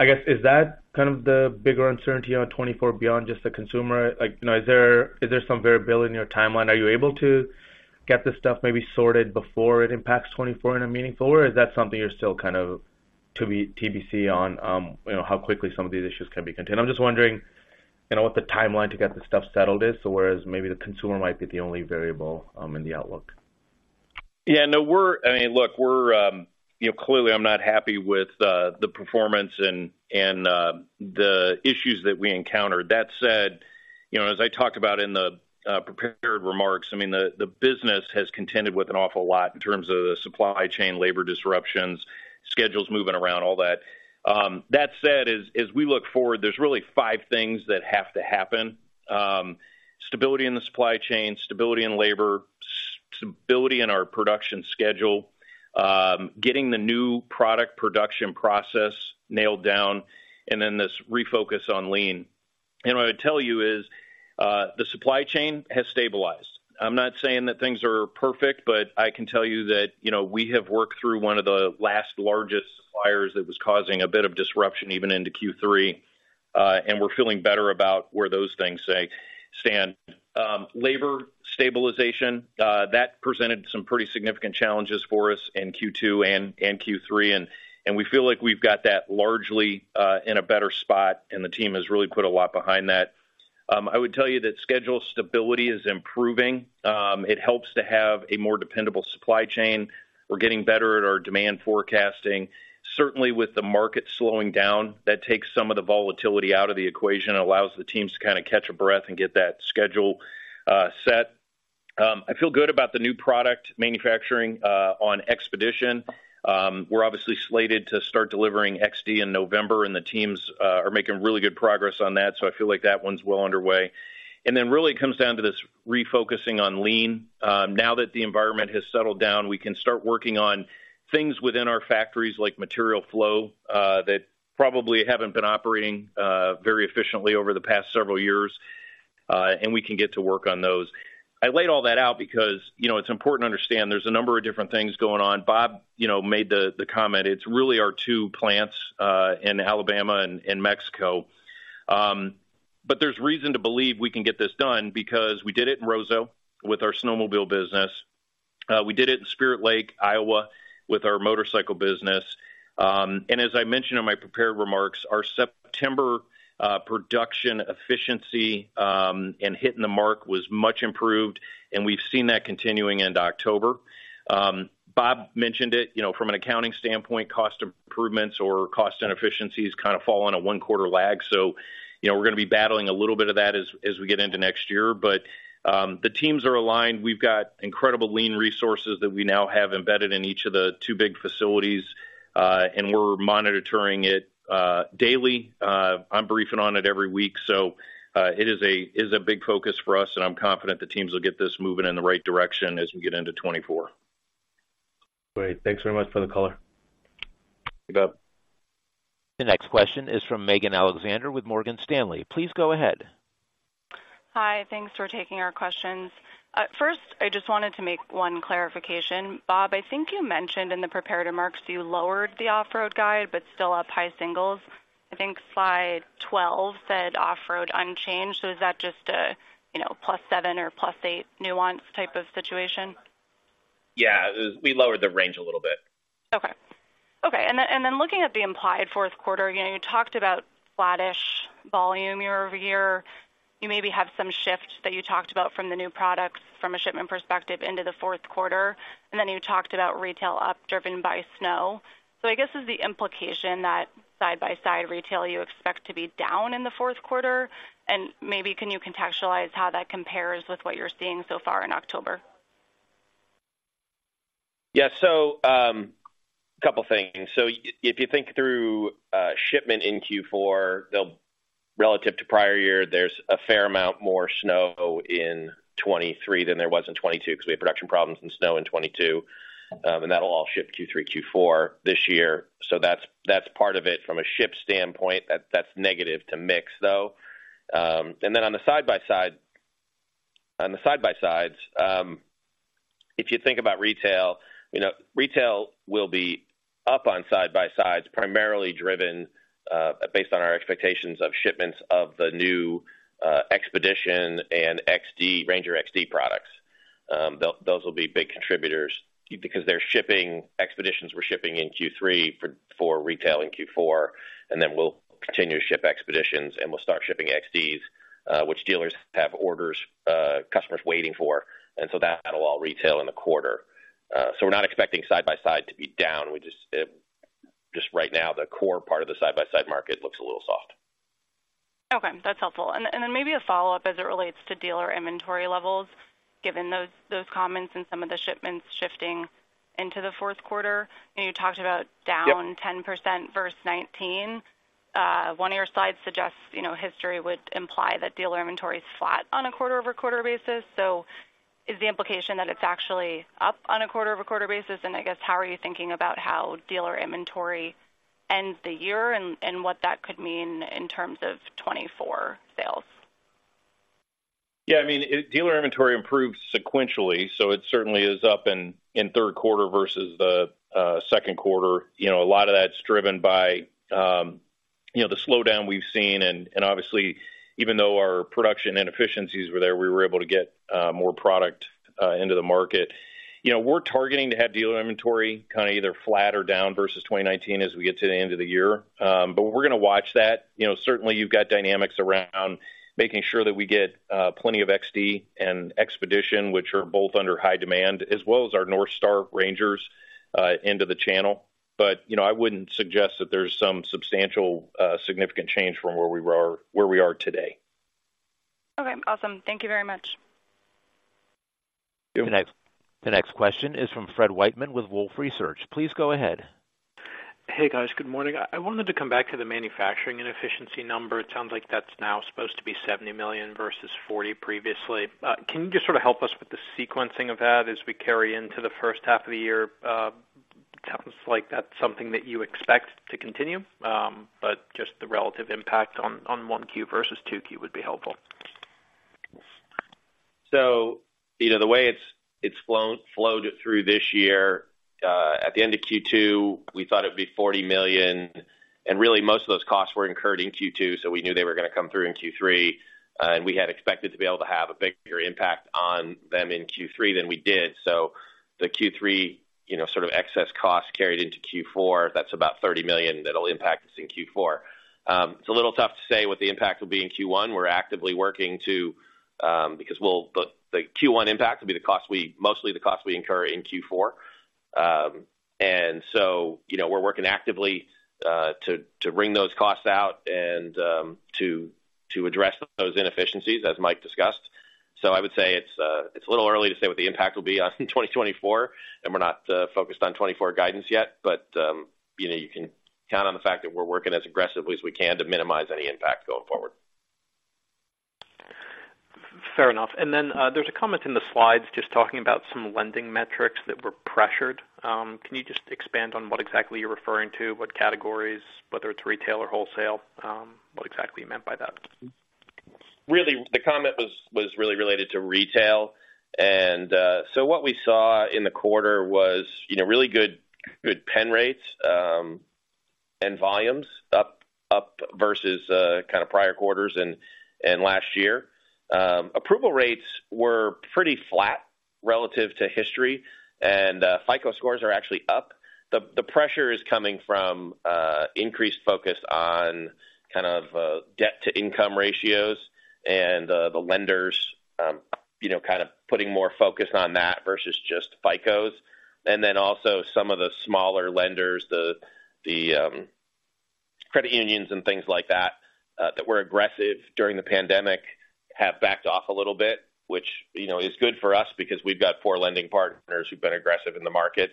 I guess, is that kind of the bigger uncertainty on 2024 beyond just the consumer? Like, you know, is there, is there some variability in your timeline? Are you able to get this stuff maybe sorted before it impacts 2024 in a meaningful way? Or is that something you're still kind of to be TBC on, you know, how quickly some of these issues can be contained? I'm just wondering, you know, what the timeline to get this stuff settled is, so whereas maybe the consumer might be the only variable in the outlook. Yeah, no, we're—I mean, look, we're, you know, clearly, I'm not happy with the performance and the issues that we encountered. That said, you know, as I talked about in the prepared remarks, I mean, the business has contended with an awful lot in terms of the supply chain, labor disruptions, schedules moving around, all that. That said, as we look forward, there's really five things that have to happen. Stability in the supply chain, stability in labor, stability in our production schedule, getting the new product production process nailed down, and then this refocus on lean. And what I would tell you is, the supply chain has stabilized. I'm not saying that things are perfect, but I can tell you that, you know, we have worked through one of the last largest suppliers that was causing a bit of disruption even into Q3, and we're feeling better about where those things stand. Labor stabilization that presented some pretty significant challenges for us in Q2 and Q3, and we feel like we've got that largely in a better spot, and the team has really put a lot behind that. I would tell you that schedule stability is improving. It helps to have a more dependable supply chain. We're getting better at our demand forecasting. Certainly, with the market slowing down, that takes some of the volatility out of the equation and allows the teams to kind of catch a breath and get that schedule set. I feel good about the new product manufacturing on XPEDITION. We're obviously slated to start delivering XD in November, and the teams are making really good progress on that, so I feel like that one's well underway. And then really it comes down to this refocusing on lean. Now that the environment has settled down, we can start working on things within our factories, like material flow, that probably haven't been operating very efficiently over the past several years, and we can get to work on those. I laid all that out because, you know, it's important to understand there's a number of different things going on. Bob, you know, made the comment, it's really our two plants in Alabama and Mexico. But there's reason to believe we can get this done because we did it in Roseau with our snowmobile business. We did it in Spirit Lake, Iowa, with our motorcycle business. And as I mentioned in my prepared remarks, our September production efficiency and hitting the mark was much improved, and we've seen that continuing into October. Bob mentioned it, you know, from an accounting standpoint, cost improvements or cost inefficiencies kind of fall on a one-quarter lag. So, you know, we're going to be battling a little bit of that as we get into next year. But the teams are aligned. We've got incredible lean resources that we now have embedded in each of the two big facilities, and we're monitoring it daily. I'm briefing on it every week, so it is a big focus for us, and I'm confident the teams will get this moving in the right direction as we get into 2024. Great. Thanks very much for the color. You bet. The next question is from Megan Alexander with Morgan Stanley. Please go ahead. Hi, thanks for taking our questions. First, I just wanted to make one clarification. Bob, I think you mentioned in the prepared remarks you lowered the off-road guide, but still up high singles. I think slide 12 said off-road unchanged. So is that just a, you know, +7 or +8 nuance type of situation? Yeah, we lowered the range a little bit. Okay. Okay, and then, and then looking at the implied fourth quarter, again, you talked about flattish volume year-over-year. You maybe have some shifts that you talked about from the new products from a shipment perspective into the fourth quarter, and then you talked about retail up, driven by snow. So I guess, is the implication that side by side retail, you expect to be down in the fourth quarter? And maybe can you contextualize how that compares with what you're seeing so far in October? Yeah. So, a couple of things. So if you think through shipment in Q4, relative to prior year, there's a fair amount more snow in 2023 than there was in 2022, because we had production problems in snow in 2022. And that'll all ship Q3, Q4 this year. So that's, that's part of it from a ship standpoint. That's negative to mix, though. And then on the side-by-side, on the side-by-sides, if you think about retail, you know, retail will be up on side-by-sides, primarily driven based on our expectations of shipments of the new XPEDITION and RANGER XD products. Those will be big contributors because they're shipping... XPEDITIONS were shipping in Q3 for retail in Q4, and then we'll continue to ship XPEDITIONS, and we'll start shipping XDs, which dealers have orders, customers waiting for, and so that'll all retail in the quarter. So we're not expecting side-by-side to be down. We just, just right now, the core part of the side-by-side market looks a little soft. Okay, that's helpful. And then maybe a follow-up as it relates to dealer inventory levels, given those comments and some of the shipments shifting into the fourth quarter. And you talked about down- Yep... 10% versus 19. One of your slides suggests, you know, history would imply that dealer inventory is flat on a quarter-over-quarter basis. So is the implication that it's actually up on a quarter-over-quarter basis? And I guess, how are you thinking about how dealer inventory... end the year and what that could mean in terms of 2024 sales? Yeah, I mean, it, dealer inventory improved sequentially, so it certainly is up in third quarter versus the second quarter. You know, a lot of that's driven by, you know, the slowdown we've seen. And obviously, even though our production inefficiencies were there, we were able to get more product into the market. You know, we're targeting to have dealer inventory kind of either flat or down versus 2019 as we get to the end of the year. But we're going to watch that. You know, certainly you've got dynamics around making sure that we get plenty of XD and XPEDITION, which are both under high demand, as well as our NorthStar RANGERs into the channel. But, you know, I wouldn't suggest that there's some substantial significant change from where we were- where we are today. Okay, awesome. Thank you very much. Thank you. The next question is from Fred Whiteman with Wolfe Research. Please go ahead. Hey, guys. Good morning. I wanted to come back to the manufacturing and efficiency number. It sounds like that's now supposed to be $70 million versus $40 million previously. Can you just sort of help us with the sequencing of that as we carry into the first half of the year? Sounds like that's something that you expect to continue, but just the relative impact on 1Q versus 2Q would be helpful. So, you know, the way it's flowed through this year, at the end of Q2, we thought it would be $40 million, and really, most of those costs were incurred in Q2, so we knew they were going to come through in Q3. And we had expected to be able to have a bigger impact on them in Q3 than we did. So the Q3, you know, sort of excess costs carried into Q4, that's about $30 million that'll impact us in Q4. It's a little tough to say what the impact will be in Q1. We're actively working to, because the Q1 impact will be mostly the cost we incur in Q4. And so, you know, we're working actively to wring those costs out and to address those inefficiencies, as Mike discussed. So I would say it's a little early to say what the impact will be on 2024, and we're not focused on 2024 guidance yet. But, you know, you can count on the fact that we're working as aggressively as we can to minimize any impact going forward. Fair enough. And then, there's a comment in the slides just talking about some lending metrics that were pressured. Can you just expand on what exactly you're referring to? What categories, whether it's retail or wholesale, what exactly you meant by that? Really, the comment was really related to retail. So what we saw in the quarter was, you know, really good pen rates, and volumes up versus kind of prior quarters and last year. Approval rates were pretty flat relative to history, and FICO scores are actually up. The pressure is coming from increased focus on kind of debt-to-income ratios and the lenders, you know, kind of putting more focus on that versus just FICOs. And then also some of the smaller lenders, the credit unions and things like that that were aggressive during the pandemic have backed off a little bit, which, you know, is good for us because we've got core lending partners who've been aggressive in the market.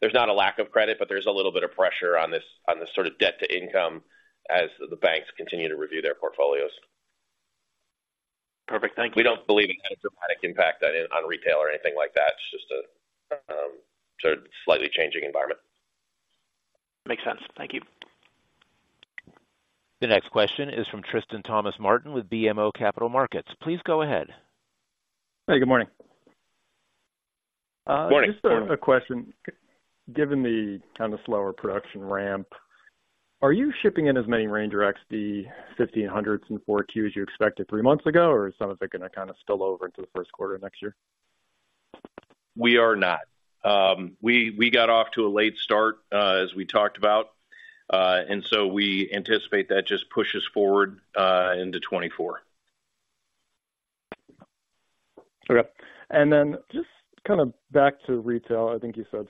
There's not a lack of credit, but there's a little bit of pressure on this, on this sort of debt to income as the banks continue to review their portfolios. Perfect. Thank you. We don't believe any dramatic impact on retail or anything like that. It's just a sort of slightly changing environment. Makes sense. Thank you. The next question is from Tristan Thomas-Martin with BMO Capital Markets. Please go ahead. Hey, good morning. Good morning. Just a question. Given the kind of slower production ramp, are you shipping as many RANGER XD 1,500s in Q4 as you expected three months ago, or is some of it going to kind of spill over into the first quarter next year? We are not. We got off to a late start, as we talked about. And so we anticipate that just pushes forward into 2024. Okay. And then just kind of back to retail. I think you said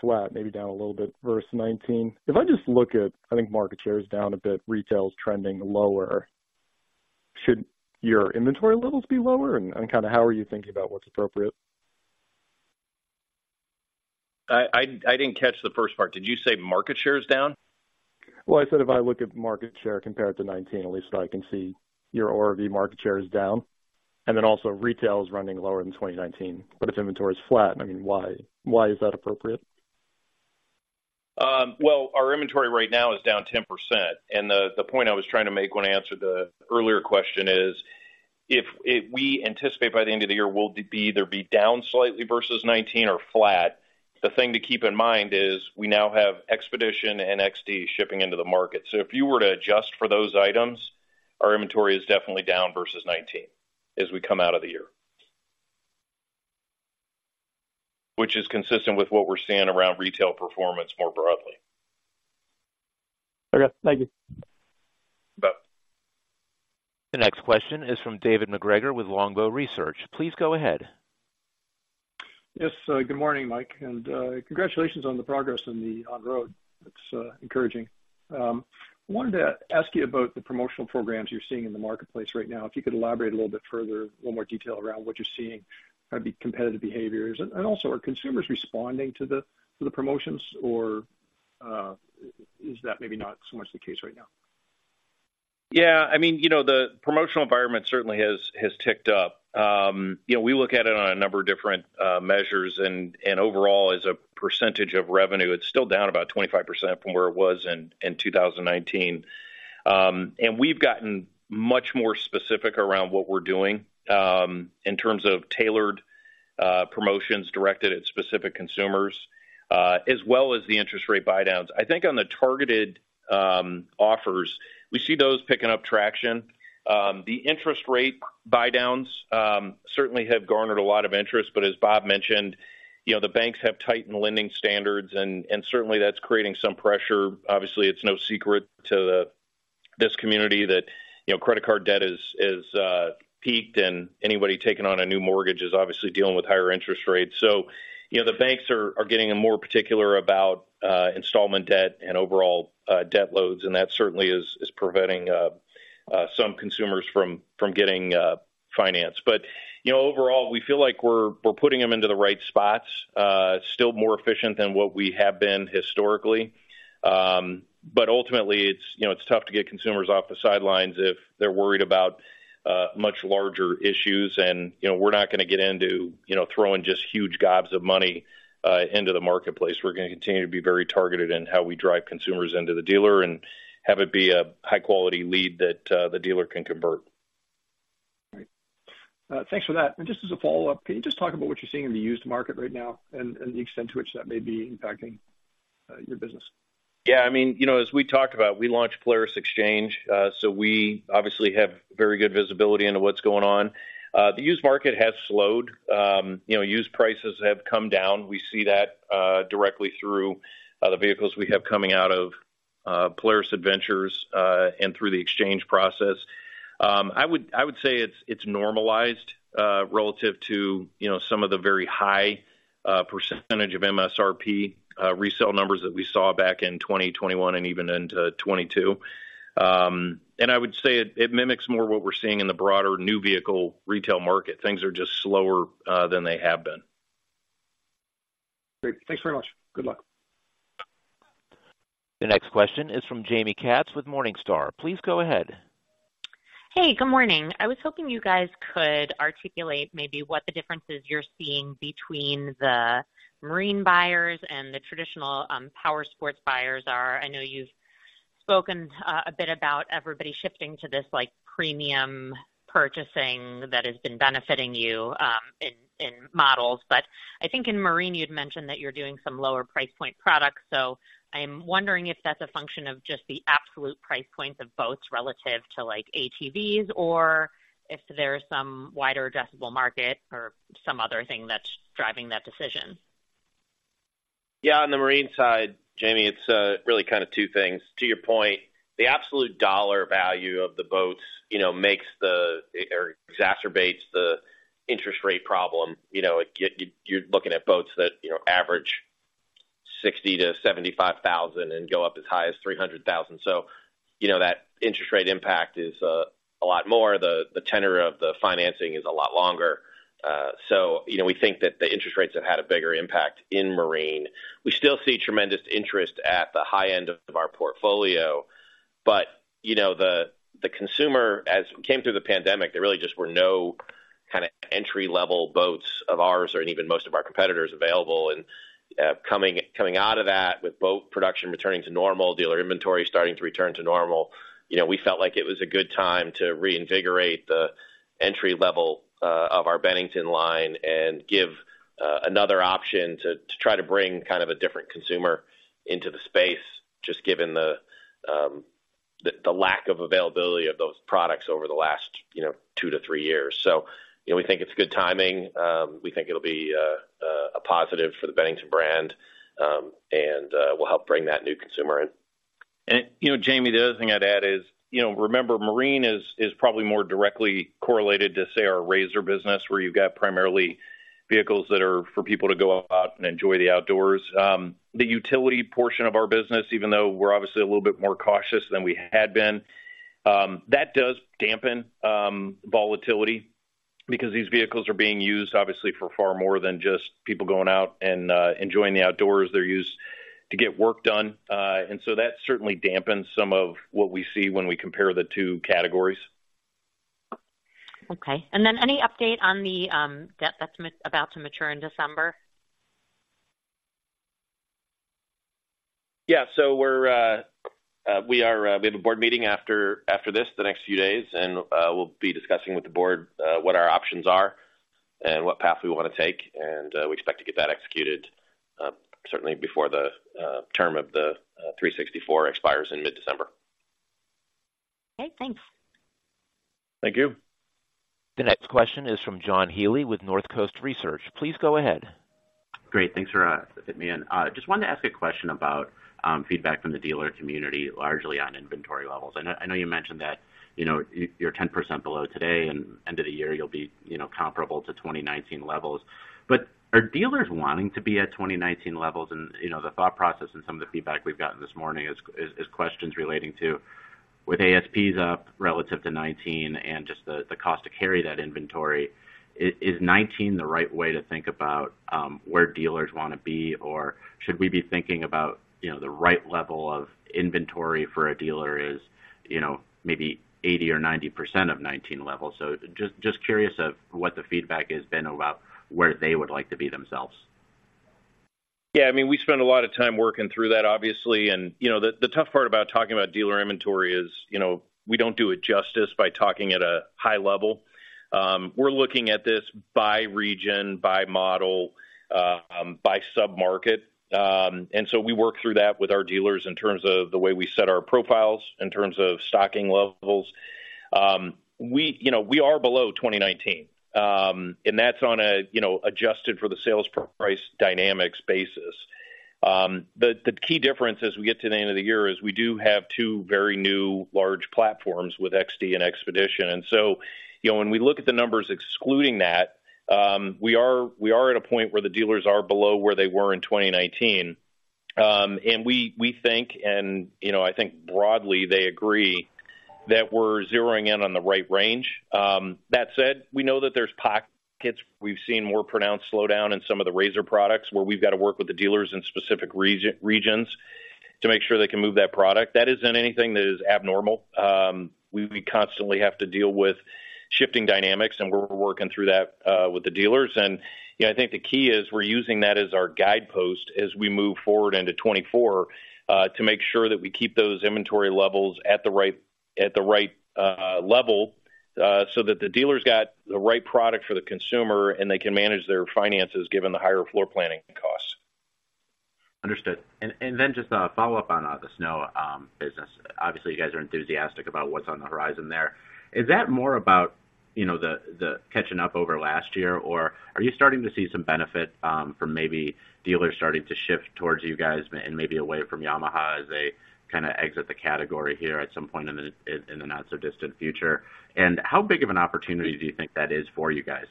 flat, maybe down a little bit versus 2019. If I just look at, I think, market share is down a bit, retail is trending lower. Should your inventory levels be lower? And kind of how are you thinking about what's appropriate? I didn't catch the first part. Did you say market share is down? Well, I said if I look at market share compared to 2019, at least I can see your ORV market share is down, and then also retail is running lower than 2019. But if inventory is flat, I mean, why, why is that appropriate? Well, our inventory right now is down 10%. And the point I was trying to make when I answered the earlier question is, if we anticipate by the end of the year, we'll be either down slightly versus 2019 or flat, the thing to keep in mind is we now have XPEDITION and XD shipping into the market. So if you were to adjust for those items, our inventory is definitely down versus 2019 as we come out of the year. Which is consistent with what we're seeing around retail performance more broadly. Okay, thank you. Bye. The next question is from David McGregor with Longbow Research. Please go ahead. Yes, good morning, Mike, and congratulations on the progress in the on road. It's encouraging. I wanted to ask you about the promotional programs you're seeing in the marketplace right now. If you could elaborate a little bit further, a little more detail around what you're seeing, maybe competitive behaviors, and also, are consumers responding to the promotions, or is that maybe not so much the case right now? ...Yeah, I mean, you know, the promotional environment certainly has ticked up. You know, we look at it on a number of different measures, and overall, as a percentage of revenue, it's still down about 25% from where it was in 2019. And we've gotten much more specific around what we're doing in terms of tailored promotions directed at specific consumers as well as the interest rate buydowns. I think on the targeted offers, we see those picking up traction. The interest rate buydowns certainly have garnered a lot of interest, but as Bob mentioned, you know, the banks have tightened lending standards and certainly that's creating some pressure. Obviously, it's no secret to this community that, you know, credit card debt is peaked, and anybody taking on a new mortgage is obviously dealing with higher interest rates. So, you know, the banks are getting more particular about installment debt and overall debt loads, and that certainly is preventing some consumers from getting financed. But, you know, overall, we feel like we're putting them into the right spots, still more efficient than what we have been historically. But ultimately it's, you know, it's tough to get consumers off the sidelines if they're worried about much larger issues. And, you know, we're not gonna get into, you know, throwing just huge gobs of money into the marketplace. We're gonna continue to be very targeted in how we drive consumers into the dealer and have it be a high-quality lead that, the dealer can convert. Great. Thanks for that. And just as a follow-up, can you just talk about what you're seeing in the used market right now and the extent to which that may be impacting, your business? Yeah, I mean, you know, as we talked about, we launched Polaris Xchange, so we obviously have very good visibility into what's going on. The used market has slowed. You know, used prices have come down. We see that, directly through, the vehicles we have coming out of, Polaris Adventures, and through the exchange process. I would say it's normalized relative to, you know, some of the very high percentage of MSRP resale numbers that we saw back in 2021 and even into 2022. And I would say it mimics more what we're seeing in the broader new vehicle retail market. Things are just slower than they have been. Great. Thanks very much. Good luck. The next question is from Jamie Katz with Morningstar. Please go ahead. Hey, good morning. I was hoping you guys could articulate maybe what the differences you're seeing between the marine buyers and the traditional power sports buyers are. I know you've spoken a bit about everybody shifting to this, like, premium purchasing that has been benefiting you in models. But I think in marine, you'd mentioned that you're doing some lower price point products. So I'm wondering if that's a function of just the absolute price points of boats relative to, like, ATVs, or if there is some wider addressable market or some other thing that's driving that decision. Yeah, on the marine side, Jamie, it's really kind of two things. To your point, the absolute dollar value of the boats, you know, makes or exacerbates the interest rate problem. You know, you're looking at boats that, you know, average $60,000-$75,000 and go up as high as $300,000. So, you know, that interest rate impact is a lot more. The tenor of the financing is a lot longer. So, you know, we think that the interest rates have had a bigger impact in marine. We still see tremendous interest at the high end of our portfolio, but, you know, the consumer, as we came through the pandemic, there really just were no kind of entry-level boats of ours or even most of our competitors available. Coming out of that, with boat production returning to normal, dealer inventory starting to return to normal, you know, we felt like it was a good time to reinvigorate the entry level of our Bennington line and give another option to try to bring kind of a different consumer into the space, just given the lack of availability of those products over the last, you know, two to three years. So, you know, we think it's good timing. We think it'll be a positive for the Bennington brand and will help bring that new consumer in. And, you know, Jamie, the other thing I'd add is, you know, remember, marine is probably more directly correlated to, say, our RZR business, where you've got primarily vehicles that are for people to go out and enjoy the outdoors. The utility portion of our business, even though we're obviously a little bit more cautious than we had been, that does dampen volatility because these vehicles are being used obviously for far more than just people going out and enjoying the outdoors. They're used to get work done. And so that certainly dampens some of what we see when we compare the two categories. Okay. And then any update on the debt that's about to mature in December? Yeah, so we have a board meeting after this, the next few days, and we'll be discussing with the board what our options are and what path we want to take. We expect to get that executed certainly before the term of the 364 expires in mid-December. Okay, thanks. Thank you. The next question is from John Healy with North Coast Research. Please go ahead. Great, thanks for fitting me in. Just wanted to ask a question about feedback from the dealer community, largely on inventory levels. I know you mentioned that, you know, you're 10% below today, and end of the year you'll be, you know, comparable to 2019 levels. But are dealers wanting to be at 2019 levels? And, you know, the thought process and some of the feedback we've gotten this morning is questions relating to, with ASPs up relative to 2019 and just the cost to carry that inventory, is 2019 the right way to think about where dealers want to be, or should we be thinking about-... you know, the right level of inventory for a dealer is, you know, maybe 80%-90% of 2019 levels. So just curious of what the feedback has been about where they would like to be themselves. Yeah, I mean, we spend a lot of time working through that, obviously. And, you know, the tough part about talking about dealer inventory is, you know, we don't do it justice by talking at a high level. We're looking at this by region, by model, by submarket. And so we work through that with our dealers in terms of the way we set our profiles, in terms of stocking levels. We, you know, we are below 2019, and that's on a, you know, adjusted for the sales price dynamics basis. But the key difference as we get to the end of the year is we do have two very new large platforms with XD and XPEDITION. So, you know, when we look at the numbers excluding that, we are at a point where the dealers are below where they were in 2019. We think, you know, I think broadly, they agree that we're zeroing in on the right range. That said, we know that there's pockets. We've seen more pronounced slowdown in some of the RZR products, where we've got to work with the dealers in specific regions to make sure they can move that product. That isn't anything that is abnormal. We constantly have to deal with shifting dynamics, and we're working through that with the dealers. And, you know, I think the key is we're using that as our guidepost as we move forward into 2024, to make sure that we keep those inventory levels at the right, at the right, level, so that the dealers got the right product for the consumer, and they can manage their finances, given the higher floor planning costs. Understood. And then just a follow-up on the snow business. Obviously, you guys are enthusiastic about what's on the horizon there. Is that more about, you know, the catching up over last year, or are you starting to see some benefit from maybe dealers starting to shift towards you guys and maybe away from Yamaha as they kind of exit the category here at some point in the not-so-distant future? And how big of an opportunity do you think that is for you guys?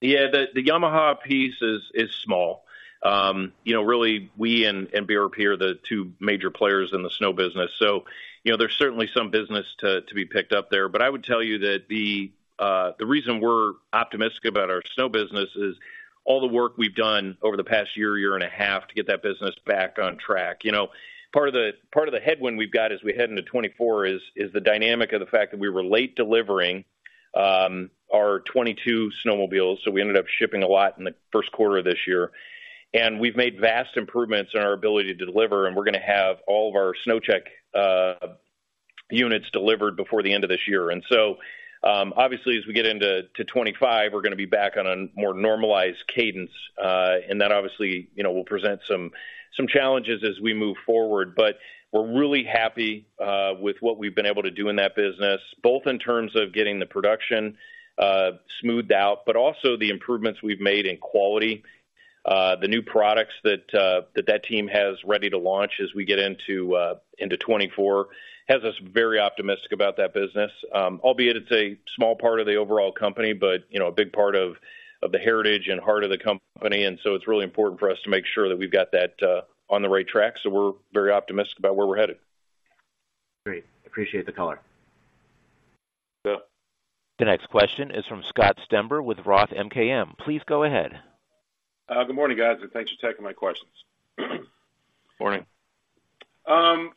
Yeah, the Yamaha piece is small. You know, really, we and BRP are the two major players in the snow business, so you know, there's certainly some business to be picked up there. But I would tell you that the reason we're optimistic about our snow business is all the work we've done over the past year, year and a half, to get that business back on track. You know, part of the headwind we've got as we head into 2024 is the dynamic of the fact that we were late delivering our 2022 snowmobiles, so we ended up shipping a lot in the first quarter of this year. And we've made vast improvements in our ability to deliver, and we're going to have all of our SnowCheck units delivered before the end of this year. And so, obviously, as we get into 2025, we're going to be back on a more normalized cadence, and that obviously, you know, will present some challenges as we move forward. But we're really happy with what we've been able to do in that business, both in terms of getting the production smoothed out, but also the improvements we've made in quality. The new products that that team has ready to launch as we get into 2024 has us very optimistic about that business. Albeit it's a small part of the overall company, but, you know, a big part of the heritage and heart of the company. And so it's really important for us to make sure that we've got that on the right track. So we're very optimistic about where we're headed. Great. Appreciate the color. Yeah. The next question is from Scott Stember with Roth MKM. Please go ahead. Good morning, guys, and thanks for taking my questions. Morning.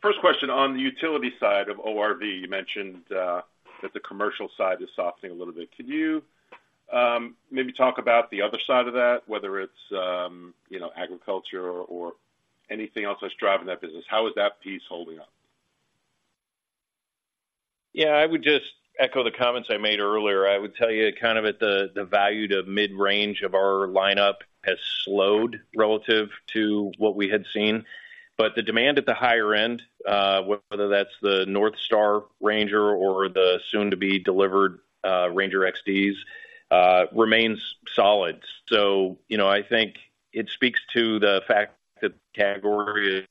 First question, on the utility side of ORV, you mentioned that the commercial side is softening a little bit. Can you maybe talk about the other side of that, whether it's, you know, agriculture or anything else that's driving that business? How is that piece holding up? Yeah, I would just echo the comments I made earlier. I would tell you, kind of at the, the value to mid-range of our lineup has slowed relative to what we had seen, but the demand at the higher end, whether that's the NorthStar RANGER or the soon-to-be-delivered RANGER XDs, remains solid. So, you know, I think it speaks to the fact that the category is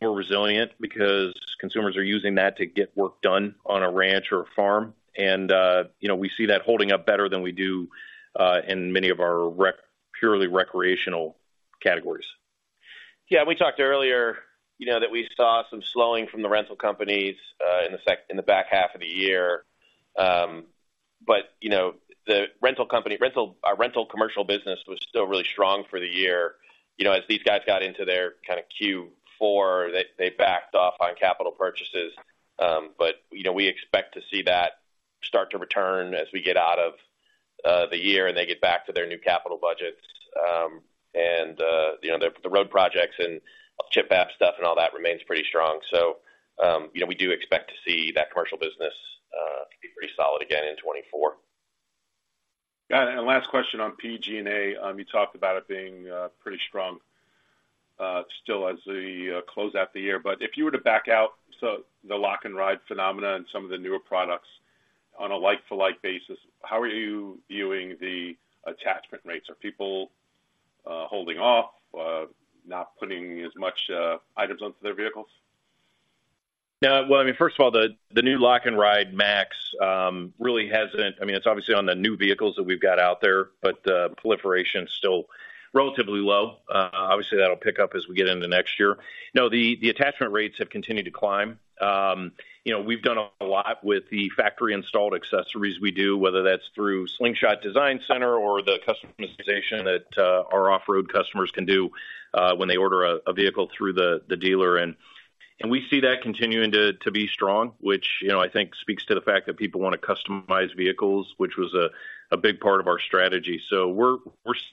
more resilient because consumers are using that to get work done on a ranch or a farm. And, you know, we see that holding up better than we do in many of our purely recreational categories. Yeah, we talked earlier, you know, that we saw some slowing from the rental companies in the second half of the year. But, you know, the rental company rental, our rental commercial business was still really strong for the year. You know, as these guys got into their kind of Q4, they backed off on capital purchases. But, you know, we expect to see that start to return as we get out of the year, and they get back to their new capital budgets. And, you know, the road projects and CHIPS Actp stuff and all that remains pretty strong. So, you know, we do expect to see that commercial business be pretty solid again in 2024. Got it. And last question on PG&A. You talked about it being pretty strong still as we close out the year. But if you were to back out so the Lock & Ride phenomena and some of the newer products on a like-for-like basis, how are you viewing the attachment rates? Are people holding off not putting as much items onto their vehicles? Yeah, well, I mean, first of all, the new Lock & Ride MAX really hasn't. I mean, it's obviously on the new vehicles that we've got out there, but the proliferation is still relatively low. Obviously, that'll pick up as we get into next year.... No, the attachment rates have continued to climb. You know, we've done a lot with the factory-installed accessories we do, whether that's through Slingshot Design Center or the customization that our off-road customers can do when they order a vehicle through the dealer. And we see that continuing to be strong, which, you know, I think speaks to the fact that people want to customize vehicles, which was a big part of our strategy. So we're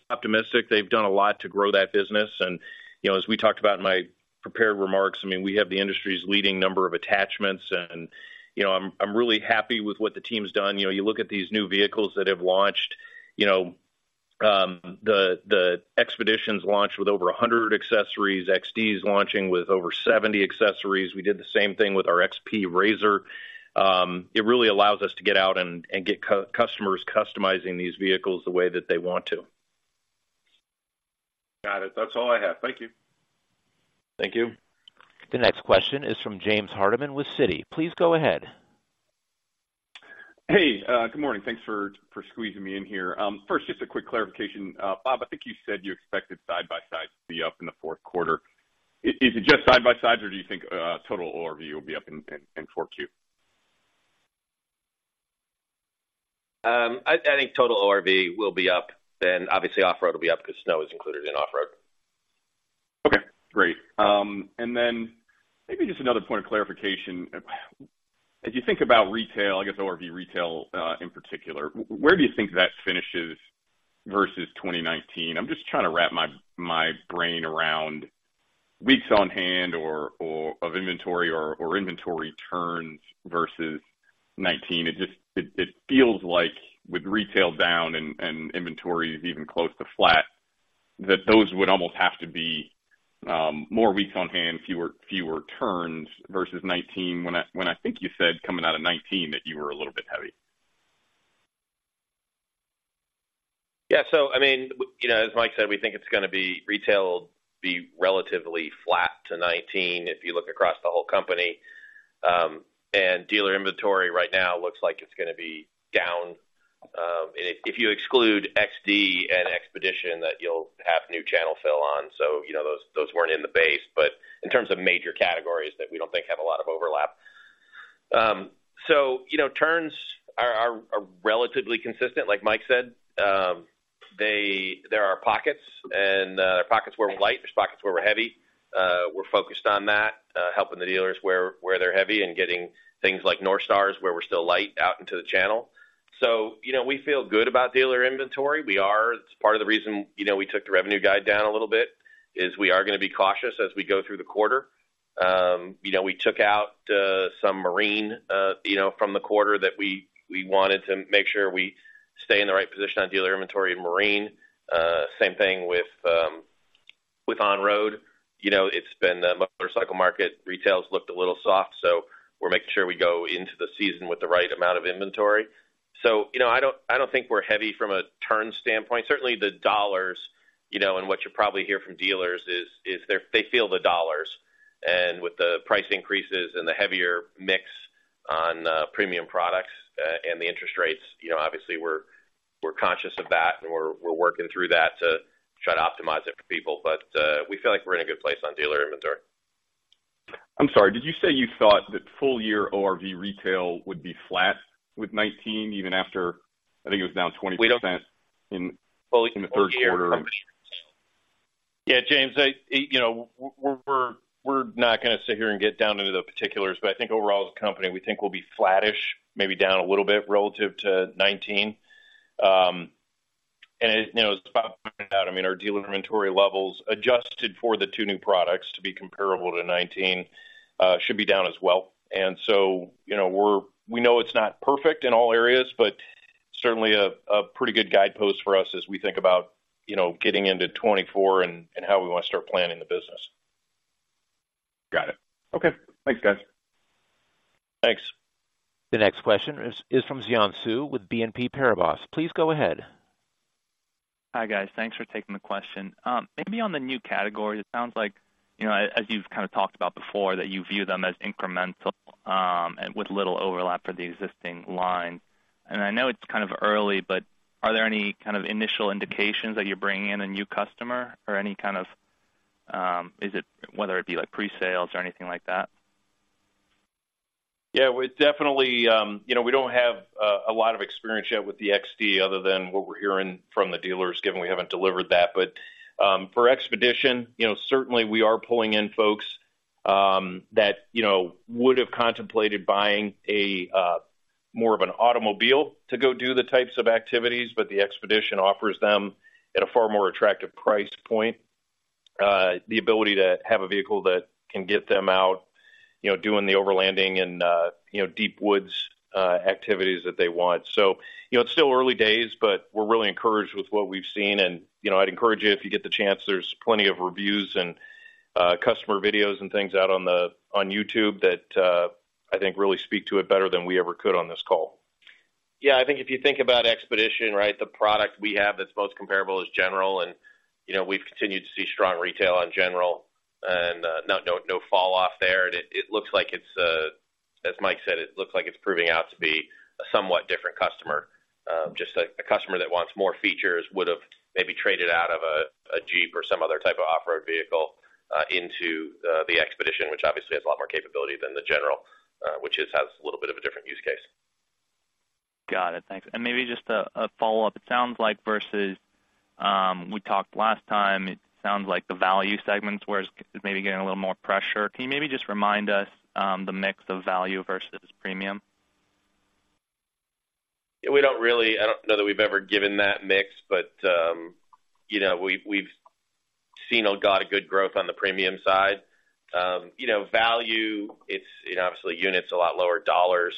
optimistic. They've done a lot to grow that business. You know, as we talked about in my prepared remarks, I mean, we have the industry's leading number of attachments and, you know, I'm really happy with what the team's done. You know, you look at these new vehicles that have launched, you know, the XPEDITIONs launched with over 100 accessories. XD is launching with over 70 accessories. We did the same thing with our RZR XP. It really allows us to get out and get customers customizing these vehicles the way that they want to. Got it. That's all I have. Thank you. Thank you. The next question is from James Hardiman with Citi. Please go ahead. Hey, good morning. Thanks for squeezing me in here. First, just a quick clarification. Bob, I think you said you expected side-by-sides to be up in the fourth quarter. Is it just side-by-sides, or do you think total ORV will be up in four Q? I think total ORV will be up, then obviously off-road will be up because snow is included in off-road. Okay, great. And then maybe just another point of clarification. As you think about retail, I guess ORV retail, in particular, where do you think that finishes versus 2019? I'm just trying to wrap my, my brain around weeks on hand or of inventory or inventory turns versus 2019. It just feels like with retail down and inventory even close to flat, that those would almost have to be more weeks on hand, fewer turns versus 2019, when I think you said coming out of 2019, that you were a little bit heavy. Yeah. So I mean, you know, as Mike said, we think it's gonna be retail, be relatively flat to 2019 if you look across the whole company. And dealer inventory right now looks like it's gonna be down. And if you exclude XD and XPEDITION, that you'll have new channel fill on. So you know, those weren't in the base, but in terms of major categories that we don't think have a lot of overlap. So, you know, turns are relatively consistent. Like Mike said, there are pockets and there are pockets where we're light, there's pockets where we're heavy. We're focused on that, helping the dealers where they're heavy and getting things like NorthStars, where we're still light out into the channel. So, you know, we feel good about dealer inventory. It's part of the reason, you know, we took the revenue guide down a little bit, is we are gonna be cautious as we go through the quarter. You know, we took out some marine, you know, from the quarter that we wanted to make sure we stay in the right position on dealer inventory and marine. Same thing with on-road. You know, it's been the motorcycle market. Retail's looked a little soft, so we're making sure we go into the season with the right amount of inventory. So, you know, I don't think we're heavy from a turn standpoint. Certainly, the dollars, you know, and what you probably hear from dealers is they feel the dollars. With the price increases and the heavier mix on premium products, and the interest rates, you know, obviously we're conscious of that, and we're working through that to try to optimize it for people. But we feel like we're in a good place on dealer inventory. I'm sorry, did you say you thought that full year ORV retail would be flat with 2019, even after, I think it was down 20% in the third quarter? Yeah, James, you know, we're not gonna sit here and get down into the particulars, but I think overall, as a company, we think we'll be flattish, maybe down a little bit relative to 2019. And, you know, as Bob pointed out, I mean, our dealer inventory levels, adjusted for the two new products to be comparable to 2019, should be down as well. And so, you know, we're, we know it's not perfect in all areas, but certainly a pretty good guidepost for us as we think about, you know, getting into 2024 and how we want to start planning the business. Got it. Okay. Thanks, guys. Thanks. The next question is from Xian Siew with BNP Paribas. Please go ahead. Hi, guys. Thanks for taking the question. Maybe on the new category, it sounds like, you know, as you've kind of talked about before, that you view them as incremental, and with little overlap for the existing line. I know it's kind of early, but are there any kind of initial indications that you're bringing in a new customer or any kind of, is it whether it be like pre-sales or anything like that? Yeah, we're definitely, you know, we don't have a lot of experience yet with the XD other than what we're hearing from the dealers, given we haven't delivered that. But, for XPEDITION, you know, certainly we are pulling in folks, that, you know, would have contemplated buying a more of an automobile to go do the types of activities, but the XPEDITION offers them at a far more attractive price point. The ability to have a vehicle that can get them out, you know, doing the overlanding and, you know, deep woods activities that they want. So, you know, it's still early days, but we're really encouraged with what we've seen. You know, I'd encourage you, if you get the chance, there's plenty of reviews and customer videos and things out on YouTube that I think really speak to it better than we ever could on this call. Yeah, I think if you think about XPEDITION, right? The product we have that's most comparable is GENERAL, and, you know, we've continued to see strong retail on GENERAL and no fall off there. It looks like it's, as Mike said, proving out to be a somewhat different customer. Just a customer that wants more features would have maybe traded out of a Jeep or some other type of off-road vehicle into the XPEDITION, which obviously has a lot more capability than the GENERAL, which just has a little bit of a different use case. Got it. Thanks. And maybe just a follow-up. It sounds like versus we talked last time, it sounds like the value segments, where it's maybe getting a little more pressure. Can you maybe just remind us, the mix of value versus premium? Yeah, we don't really—I don't know that we've ever given that mix, but, you know, we've, we've seen, oh, got a good growth on the premium side. You know, value, it's, you know, obviously units, a lot lower dollars.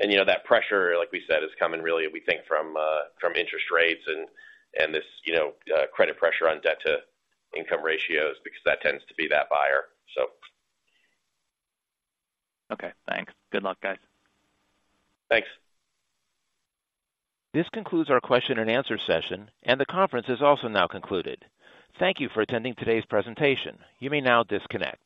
And, you know, that pressure, like we said, is coming really, we think from interest rates and this, you know, credit pressure on debt to income ratios, because that tends to be that buyer, so. Okay, thanks. Good luck, guys. Thanks. This concludes our question and answer session, and the conference is also now concluded. Thank you for attending today's presentation. You may now disconnect.